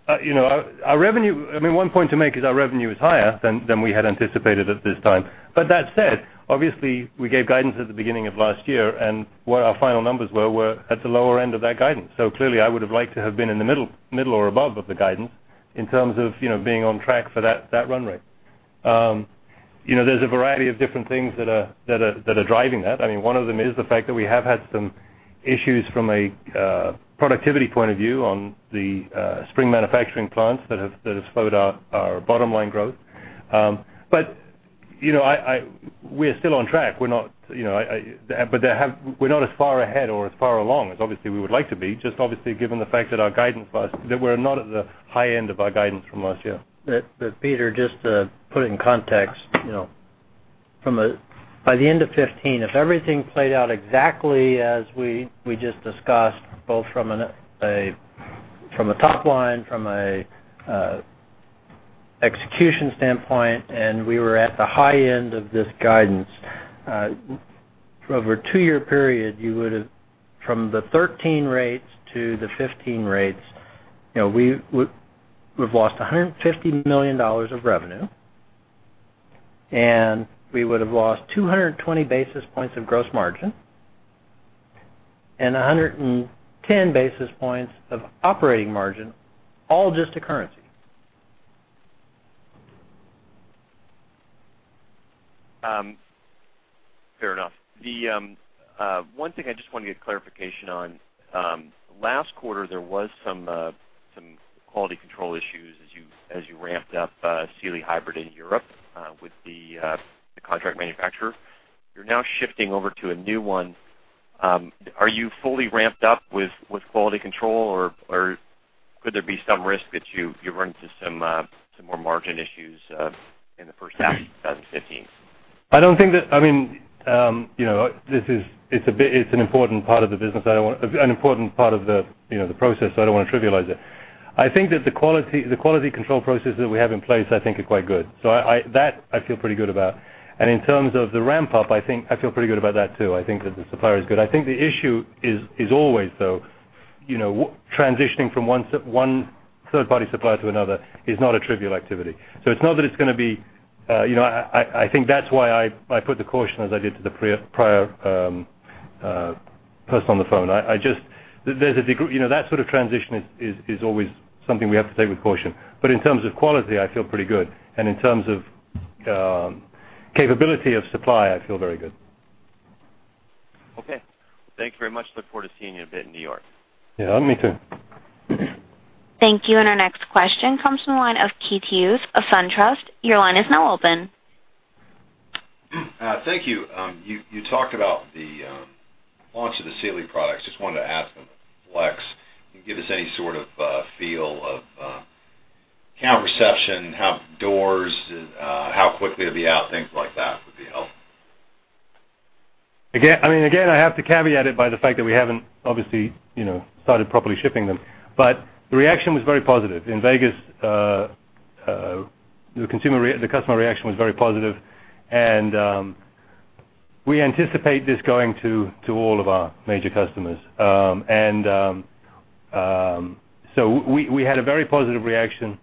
I mean, one point to make is our revenue is higher than we had anticipated at this time. That said, obviously, we gave guidance at the beginning of last year, and what our final numbers were were at the lower end of that guidance. Clearly, I would've liked to have been in the middle or above of the guidance in terms of being on track for that run rate. There's a variety of different things that are driving that. One of them is the fact that we have had some issues from a productivity point of view on the spring manufacturing plants that have slowed our bottom line growth. We are still on track. We're not as far ahead or as far along as obviously we would like to be, just given the fact that we're not at the high end of our guidance from last year. Peter, just to put it in context. By the end of 2015, if everything played out exactly as we just discussed, both from a top line, from a execution standpoint, and we were at the high end of this guidance. Over a two-year period, from the 2013 rates to the 2015 rates, we've lost $150 million of revenue, and we would've lost 220 basis points of gross margin, and 110 basis points of operating margin, all just to currency. Fair enough. One thing I just wanted to get clarification on. Last quarter, there was some quality control issues as you ramped up Sealy Hybrid in Europe with the contract manufacturer. You're now shifting over to a new one. Are you fully ramped up with quality control or could there be some risk that you run into some more margin issues in the first half of 2015? It's an important part of the business, an important part of the process. I don't want to trivialize it. I think that the quality control processes that we have in place, I think are quite good. That I feel pretty good about. In terms of the ramp-up, I feel pretty good about that too. I think that the supplier is good. I think the issue is always, though, transitioning from one third-party supplier to another is not a trivial activity. I think that's why I put the caution as I did to the prior person on the phone. That sort of transition is always something we have to take with caution. In terms of quality, I feel pretty good. In terms of capability of supply, I feel very good. Okay. Thank you very much. Look forward to seeing you in a bit in New York. Yeah, me too. Thank you. Our next question comes from the line of Keith Hughes of SunTrust. Your line is now open. Thank you. You talked about the launch of the Sealy products. Just wanted to ask on the TEMPUR-Flex. Can you give us any sort of feel of count reception, how quickly it'll be out, things like that would be helpful. I have to caveat it by the fact that we haven't obviously started properly shipping them. The reaction was very positive. In Vegas, the customer reaction was very positive, we anticipate this going to all of our major customers. We had a very positive reaction.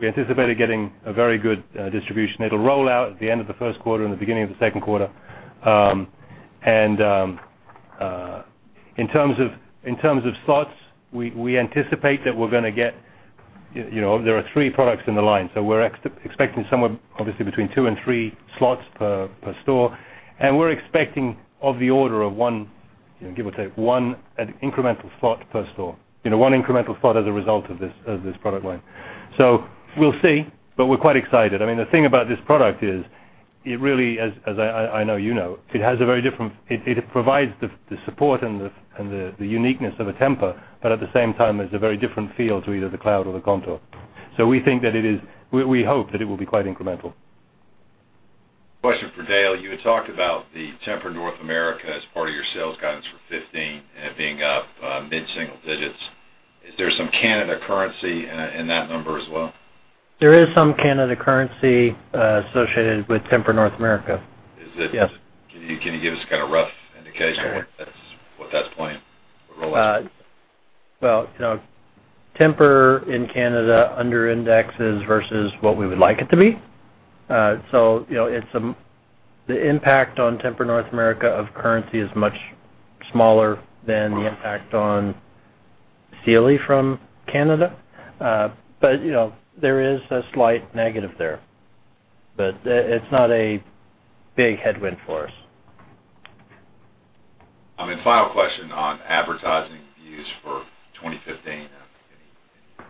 We anticipated getting a very good distribution. It'll roll out at the end of the first quarter and the beginning of the second quarter. In terms of slots, we anticipate that we're going to get There are three products in the line, so we're expecting somewhere obviously between two and three slots per store. We're expecting of the order of, give or take, one incremental slot per store. One incremental slot as a result of this product line. We'll see, but we're quite excited. The thing about this product is, it really, as I know you know, it provides the support and the uniqueness of a Tempur-Pedic, but at the same time, it's a very different feel to either the TEMPUR-Cloud or the TEMPUR-Contour. We hope that it will be quite incremental. Question for Dale. You had talked about the Tempur North America as part of your sales guidance for 2015 and it being up mid-single digits. Is there some Canadian currency in that number as well? There is some Canada currency associated with Tempur North America, yes. Can you give us a kind of rough indication of what that's playing or rolling out to? Well, Tempur in Canada underindexes versus what we would like it to be. The impact on Tempur North America of currency is much smaller than the impact on Sealy from Canada. There is a slight negative there. It's not a big headwind for us. Final question on advertising views for 2015. Any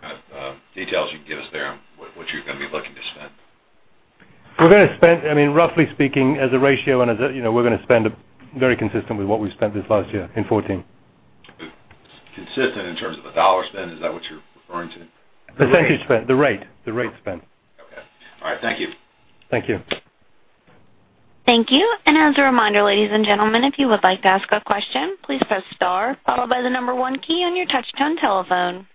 kind of details you can give us there on what you're going to be looking to spend? We're going to spend, roughly speaking, as a ratio, we're going to spend very consistent with what we've spent this last year in 2014. Consistent in terms of the dollar spend, is that what you're referring to? The percentage spent, the rate spent. Okay. All right. Thank you. Thank you. Thank you. As a reminder, ladies and gentlemen, if you would like to ask a question, please press star followed by the number 1 key on your touch-tone telephone.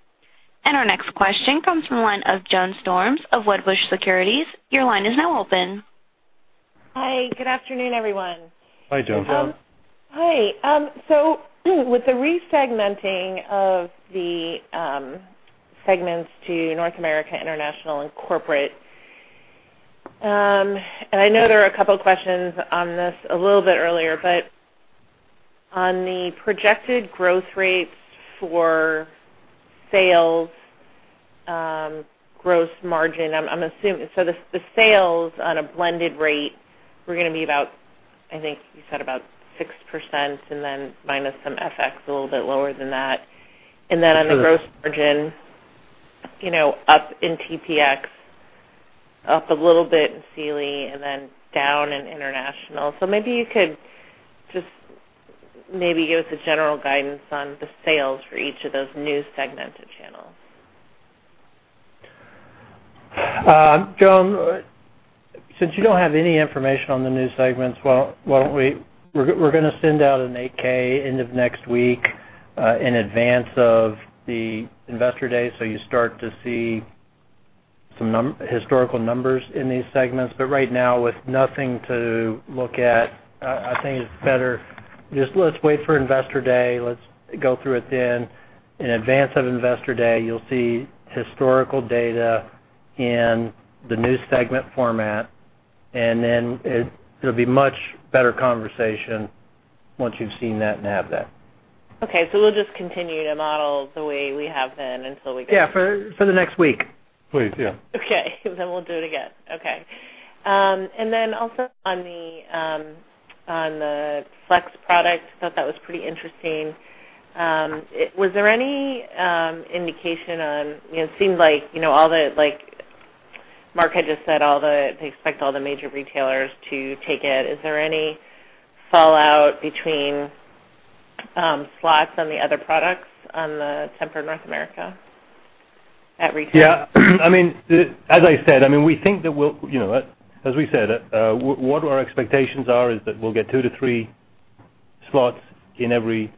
Our next question comes from the line of Joan Storms of Wedbush Securities. Your line is now open. Hi. Good afternoon, everyone. Hi, Joan. Hi. With the re-segmenting of the segments to North America, International, and Corporate, I know there were a couple of questions on this a little bit earlier, but on the projected growth rates for sales, gross margin. The sales on a blended rate were going to be about, I think you said about 6% and then minus some FX, a little bit lower than that. On the gross margin, up in TPX, up a little bit in Sealy, and then down in International. Maybe you could just maybe give us a general guidance on the sales for each of those new segmented channels. Joan, since you don't have any information on the new segments, we're going to send out an 8-K end of next week in advance of the Investor Day, you start to see some historical numbers in these segments. Right now, with nothing to look at, I think it's better. Let's wait for Investor Day. Let's go through it then. In advance of Investor Day, you'll see historical data in the new segment format, it'll be much better conversation once you've seen that and have that. Okay, we'll just continue to model the way we have been until we- Yeah, for the next week. Please, yeah. Okay. We'll do it again. Okay. Also on the Flex product, I thought that was pretty interesting. Was there any indication on It seemed like Mark had just said they expect all the major retailers to take it. Is there any fallout between slots on the other products on the Tempur North America at retail? Yeah. As I said, what our expectations are is that we'll get two to three slots on average,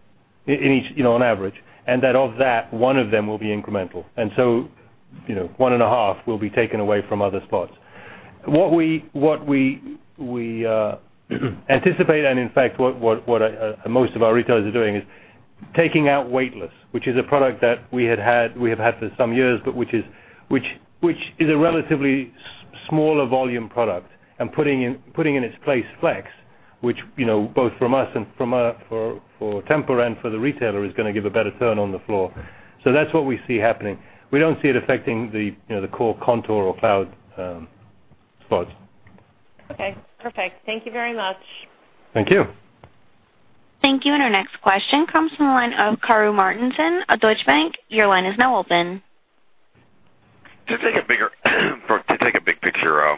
that of that, one of them will be incremental. One and a half will be taken away from other spots. What we anticipate, and in fact, what most of our retailers are doing, is taking out Weightless, which is a product that we have had for some years, but which is a relatively smaller volume product, and putting in its place TEMPUR-Flex, which both from us and for Tempur-Pedic and for the retailer is going to give a better turn on the floor. That's what we see happening. We don't see it affecting the core Contour or Cloud spots. Okay, perfect. Thank you very much. Thank you. Thank you. Our next question comes from the line of Karru Martinson of Deutsche Bank. Your line is now open. To take a big picture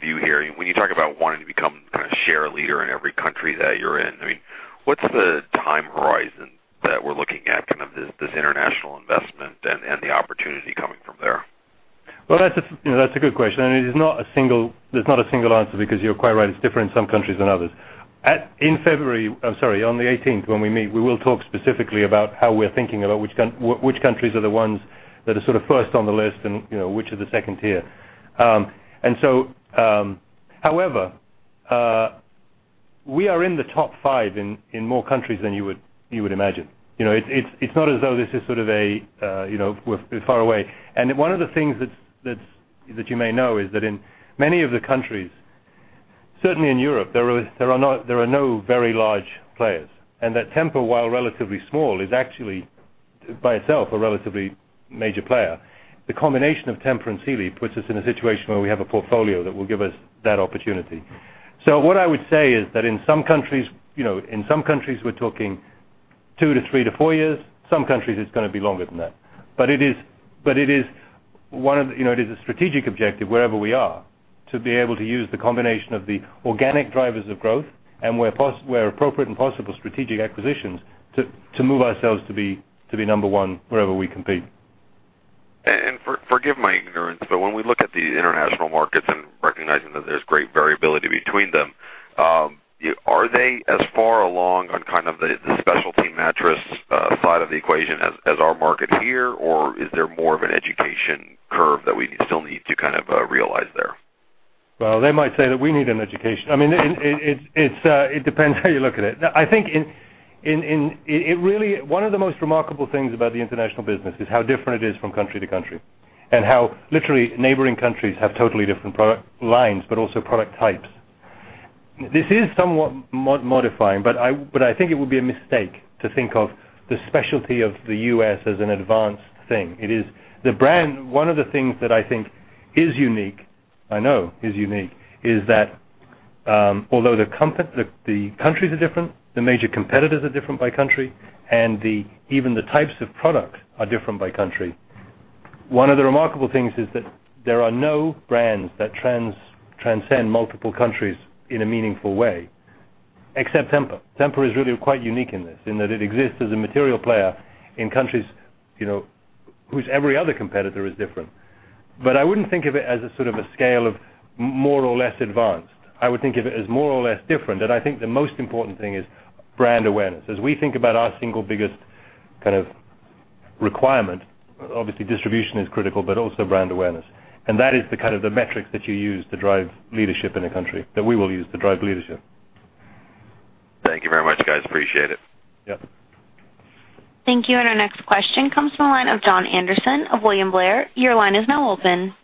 view here, when you talk about wanting to become kind of share a leader in every country that you're in, what's the time horizon that we're looking at, kind of this international investment and the opportunity coming from there? Well, that's a good question, and it is not a single answer because you're quite right, it's different in some countries than others. On the 18th, when we meet, we will talk specifically about how we're thinking about which countries are the ones that are sort of first on the list and which are the 2 tier. However, we are in the top five in more countries than you would imagine. It's not as though this is sort of a, we're far away. One of the things that you may know is that in many of the countries, certainly in Europe, there are no very large players, and that Tempur-Pedic, while relatively small, is actually by itself a relatively major player. The combination of Tempur-Pedic and Sealy puts us in a situation where we have a portfolio that will give us that opportunity. What I would say is that in some countries we're talking two to three to four years. Some countries, it's going to be longer than that. It is a strategic objective wherever we are to be able to use the combination of the organic drivers of growth and where appropriate and possible strategic acquisitions to move ourselves to be number one wherever we compete. Forgive my ignorance, when we look at the international markets and recognizing that there's great variability between them, are they as far along on kind of the specialty mattress side of the equation as our market here? Or is there more of an education curve that we still need to kind of realize there? Well, they might say that we need an education. It depends how you look at it. I think one of the most remarkable things about the international business is how different it is from country to country and how literally neighboring countries have totally different product lines but also product types. This is somewhat modifying, but I think it would be a mistake to think of the specialty of the U.S. as an advanced thing. One of the things that I think is unique, I know is unique, is that although the countries are different, the major competitors are different by country, and even the types of product are different by country. One of the remarkable things is that there are no brands that transcend multiple countries in a meaningful way except Tempur-Pedic. Tempur-Pedic is really quite unique in this, in that it exists as a material player in countries whose every other competitor is different. I wouldn't think of it as a sort of a scale of more or less advanced. I would think of it as more or less different, and I think the most important thing is brand awareness. As we think about our single biggest kind of requirement, obviously distribution is critical, but also brand awareness. That is the kind of the metrics that you use to drive leadership in a country, that we will use to drive leadership. Thank you very much, guys. Appreciate it. Yep. Thank you. Our next question comes from the line of Jon Andersen of William Blair. Your line is now open.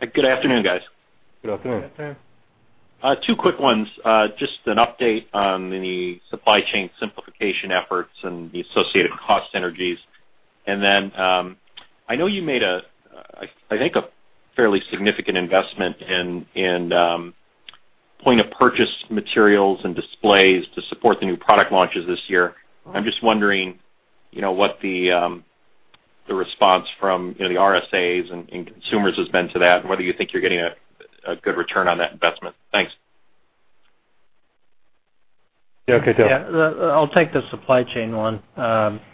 Good afternoon, guys. Good afternoon. Good afternoon. Two quick ones. Just an update on any supply chain simplification efforts and the associated cost synergies. I know you made, I think, a fairly significant investment in point-of-purchase materials and displays to support the new product launches this year. I'm just wondering what the response from the RSAs and consumers has been to that, and whether you think you're getting a good return on that investment. Thanks. Yeah, okay, Dale. Yeah. I'll take the supply chain one.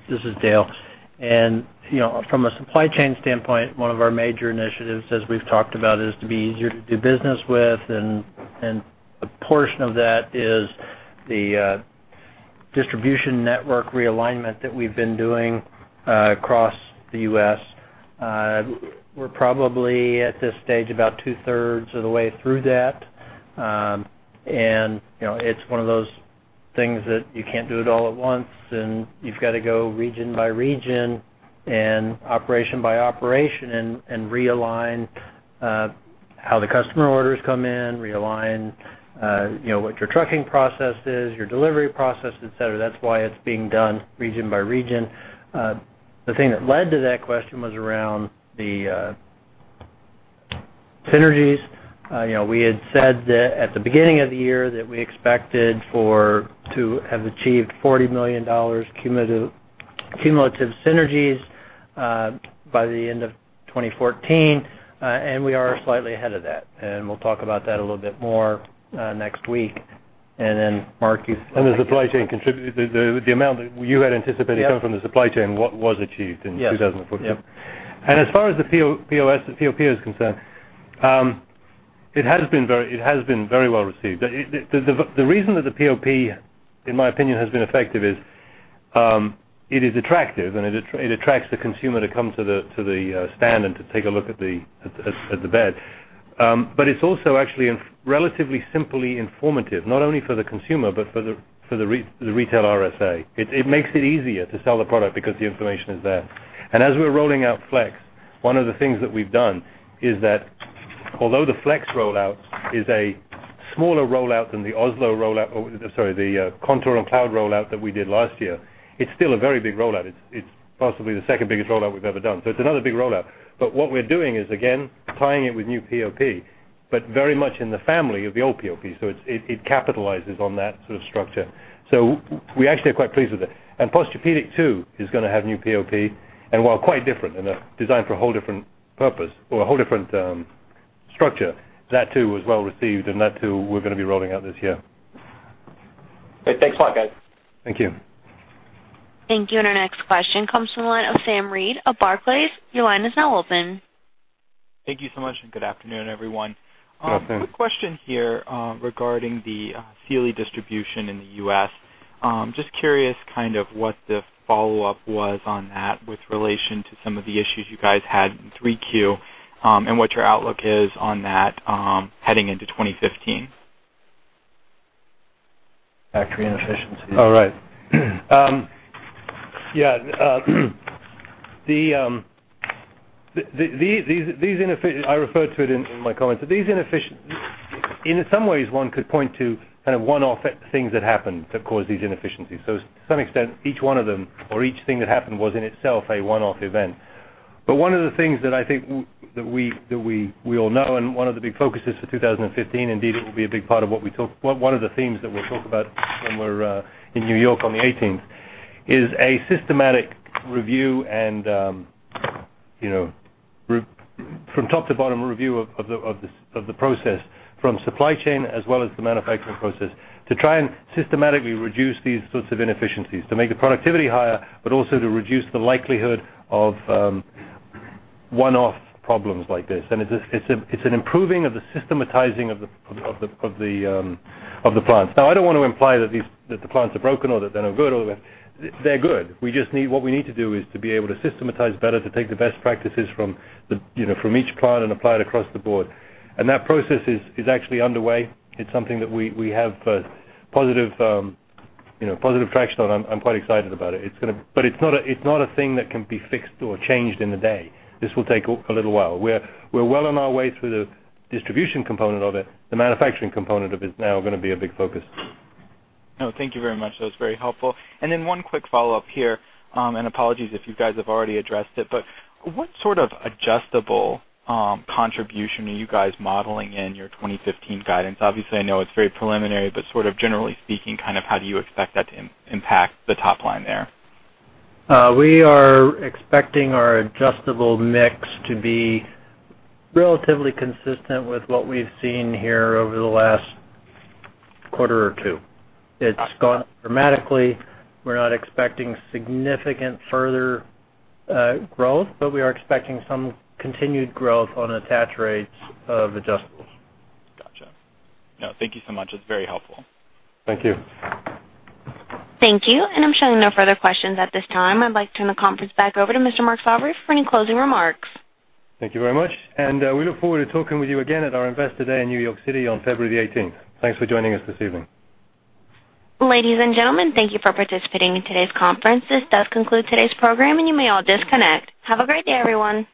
This is Dale. From a supply chain standpoint, one of our major initiatives, as we've talked about, is to be easier to do business with and a portion of that is the distribution network realignment that we've been doing across the U.S. We're probably at this stage about two-thirds of the way through that. It's one of those things that you can't do it all at once, and you've got to go region by region and operation by operation and realign how the customer orders come in, realign what your trucking process is, your delivery process, et cetera. That's why it's being done region by region. The thing that led to that question was around the synergies. We had said that at the beginning of the year that we expected to have achieved $40 million cumulative synergies by the end of 2014, and we are slightly ahead of that. We'll talk about that a little bit more next week. Mark, you. The supply chain contributed. The amount that you had anticipated. Yep Coming from the supply chain, what was achieved in 2014? Yep. As far as the POP is concerned, it has been very well received. The reason that the POP, in my opinion, has been effective is it is attractive and it attracts the consumer to come to the stand and to take a look at the bed. It's also actually relatively simply informative, not only for the consumer, but for the retail RSA. It makes it easier to sell the product because the information is there. As we're rolling out TEMPUR-Flex, one of the things that we've done is that although the TEMPUR-Flex rollout is a smaller rollout than the Oslo rollout, or, sorry, the TEMPUR-Contour and TEMPUR-Cloud rollout that we did last year, it's still a very big rollout. It's possibly the second-biggest rollout we've ever done. It's another big rollout. What we're doing is, again, tying it with new POP, but very much in the family of the old POP. It capitalizes on that sort of structure. We actually are quite pleased with it. Posturepedic too is going to have new POP, and while quite different and designed for a whole different purpose or a whole different structure, that too was well received, and that too we're going to be rolling out this year. Great. Thanks a lot, guys. Thank you. Thank you, and our next question comes from the line of Sam Reid of Barclays. Your line is now open. Thank you so much and good afternoon, everyone. Good afternoon. Quick question here regarding the Sealy distribution in the U.S. Just curious what the follow-up was on that with relation to some of the issues you guys had in 3Q, and what your outlook is on that heading into 2015. Factory inefficiencies. I referred to it in my comments. In some ways one could point to one-off things that happened that caused these inefficiencies. To some extent, each one of them or each thing that happened was in itself a one-off event. One of the things that I think that we all know and one of the big focuses for 2015, indeed it will be one of the themes that we'll talk about when we're in New York on the 18th is a systematic review and from top to bottom review of the process from supply chain as well as the manufacturing process to try and systematically reduce these sorts of inefficiencies to make the productivity higher, but also to reduce the likelihood of one-off problems like this. It's an improving of the systematizing of the plants. I don't want to imply that the plants are broken or that they're no good or that they're good. What we need to do is to be able to systematize better, to take the best practices from each plant and apply it across the board. That process is actually underway. It's something that we have positive traction on. I'm quite excited about it. It's not a thing that can be fixed or changed in a day. This will take a little while. We're well on our way through the distribution component of it. The manufacturing component of it is now going to be a big focus. Thank you very much. That was very helpful. One quick follow-up here, apologies if you guys have already addressed it, what sort of adjustable contribution are you guys modeling in your 2015 guidance? Obviously, I know it's very preliminary, generally speaking, how do you expect that to impact the top line there? We are expecting our adjustable mix to be relatively consistent with what we've seen here over the last quarter or two. It's gone up dramatically. We're not expecting significant further growth, we are expecting some continued growth on attach rates of adjustables. Gotcha. Thank you so much. That's very helpful. Thank you. Thank you. I'm showing no further questions at this time. I'd like to turn the conference back over to Mr. Mark Sarvary for any closing remarks. Thank you very much. We look forward to talking with you again at our Investor Day in New York City on February the 18th. Thanks for joining us this evening. Ladies and gentlemen, thank you for participating in today's conference. This does conclude today's program, and you may all disconnect. Have a great day, everyone.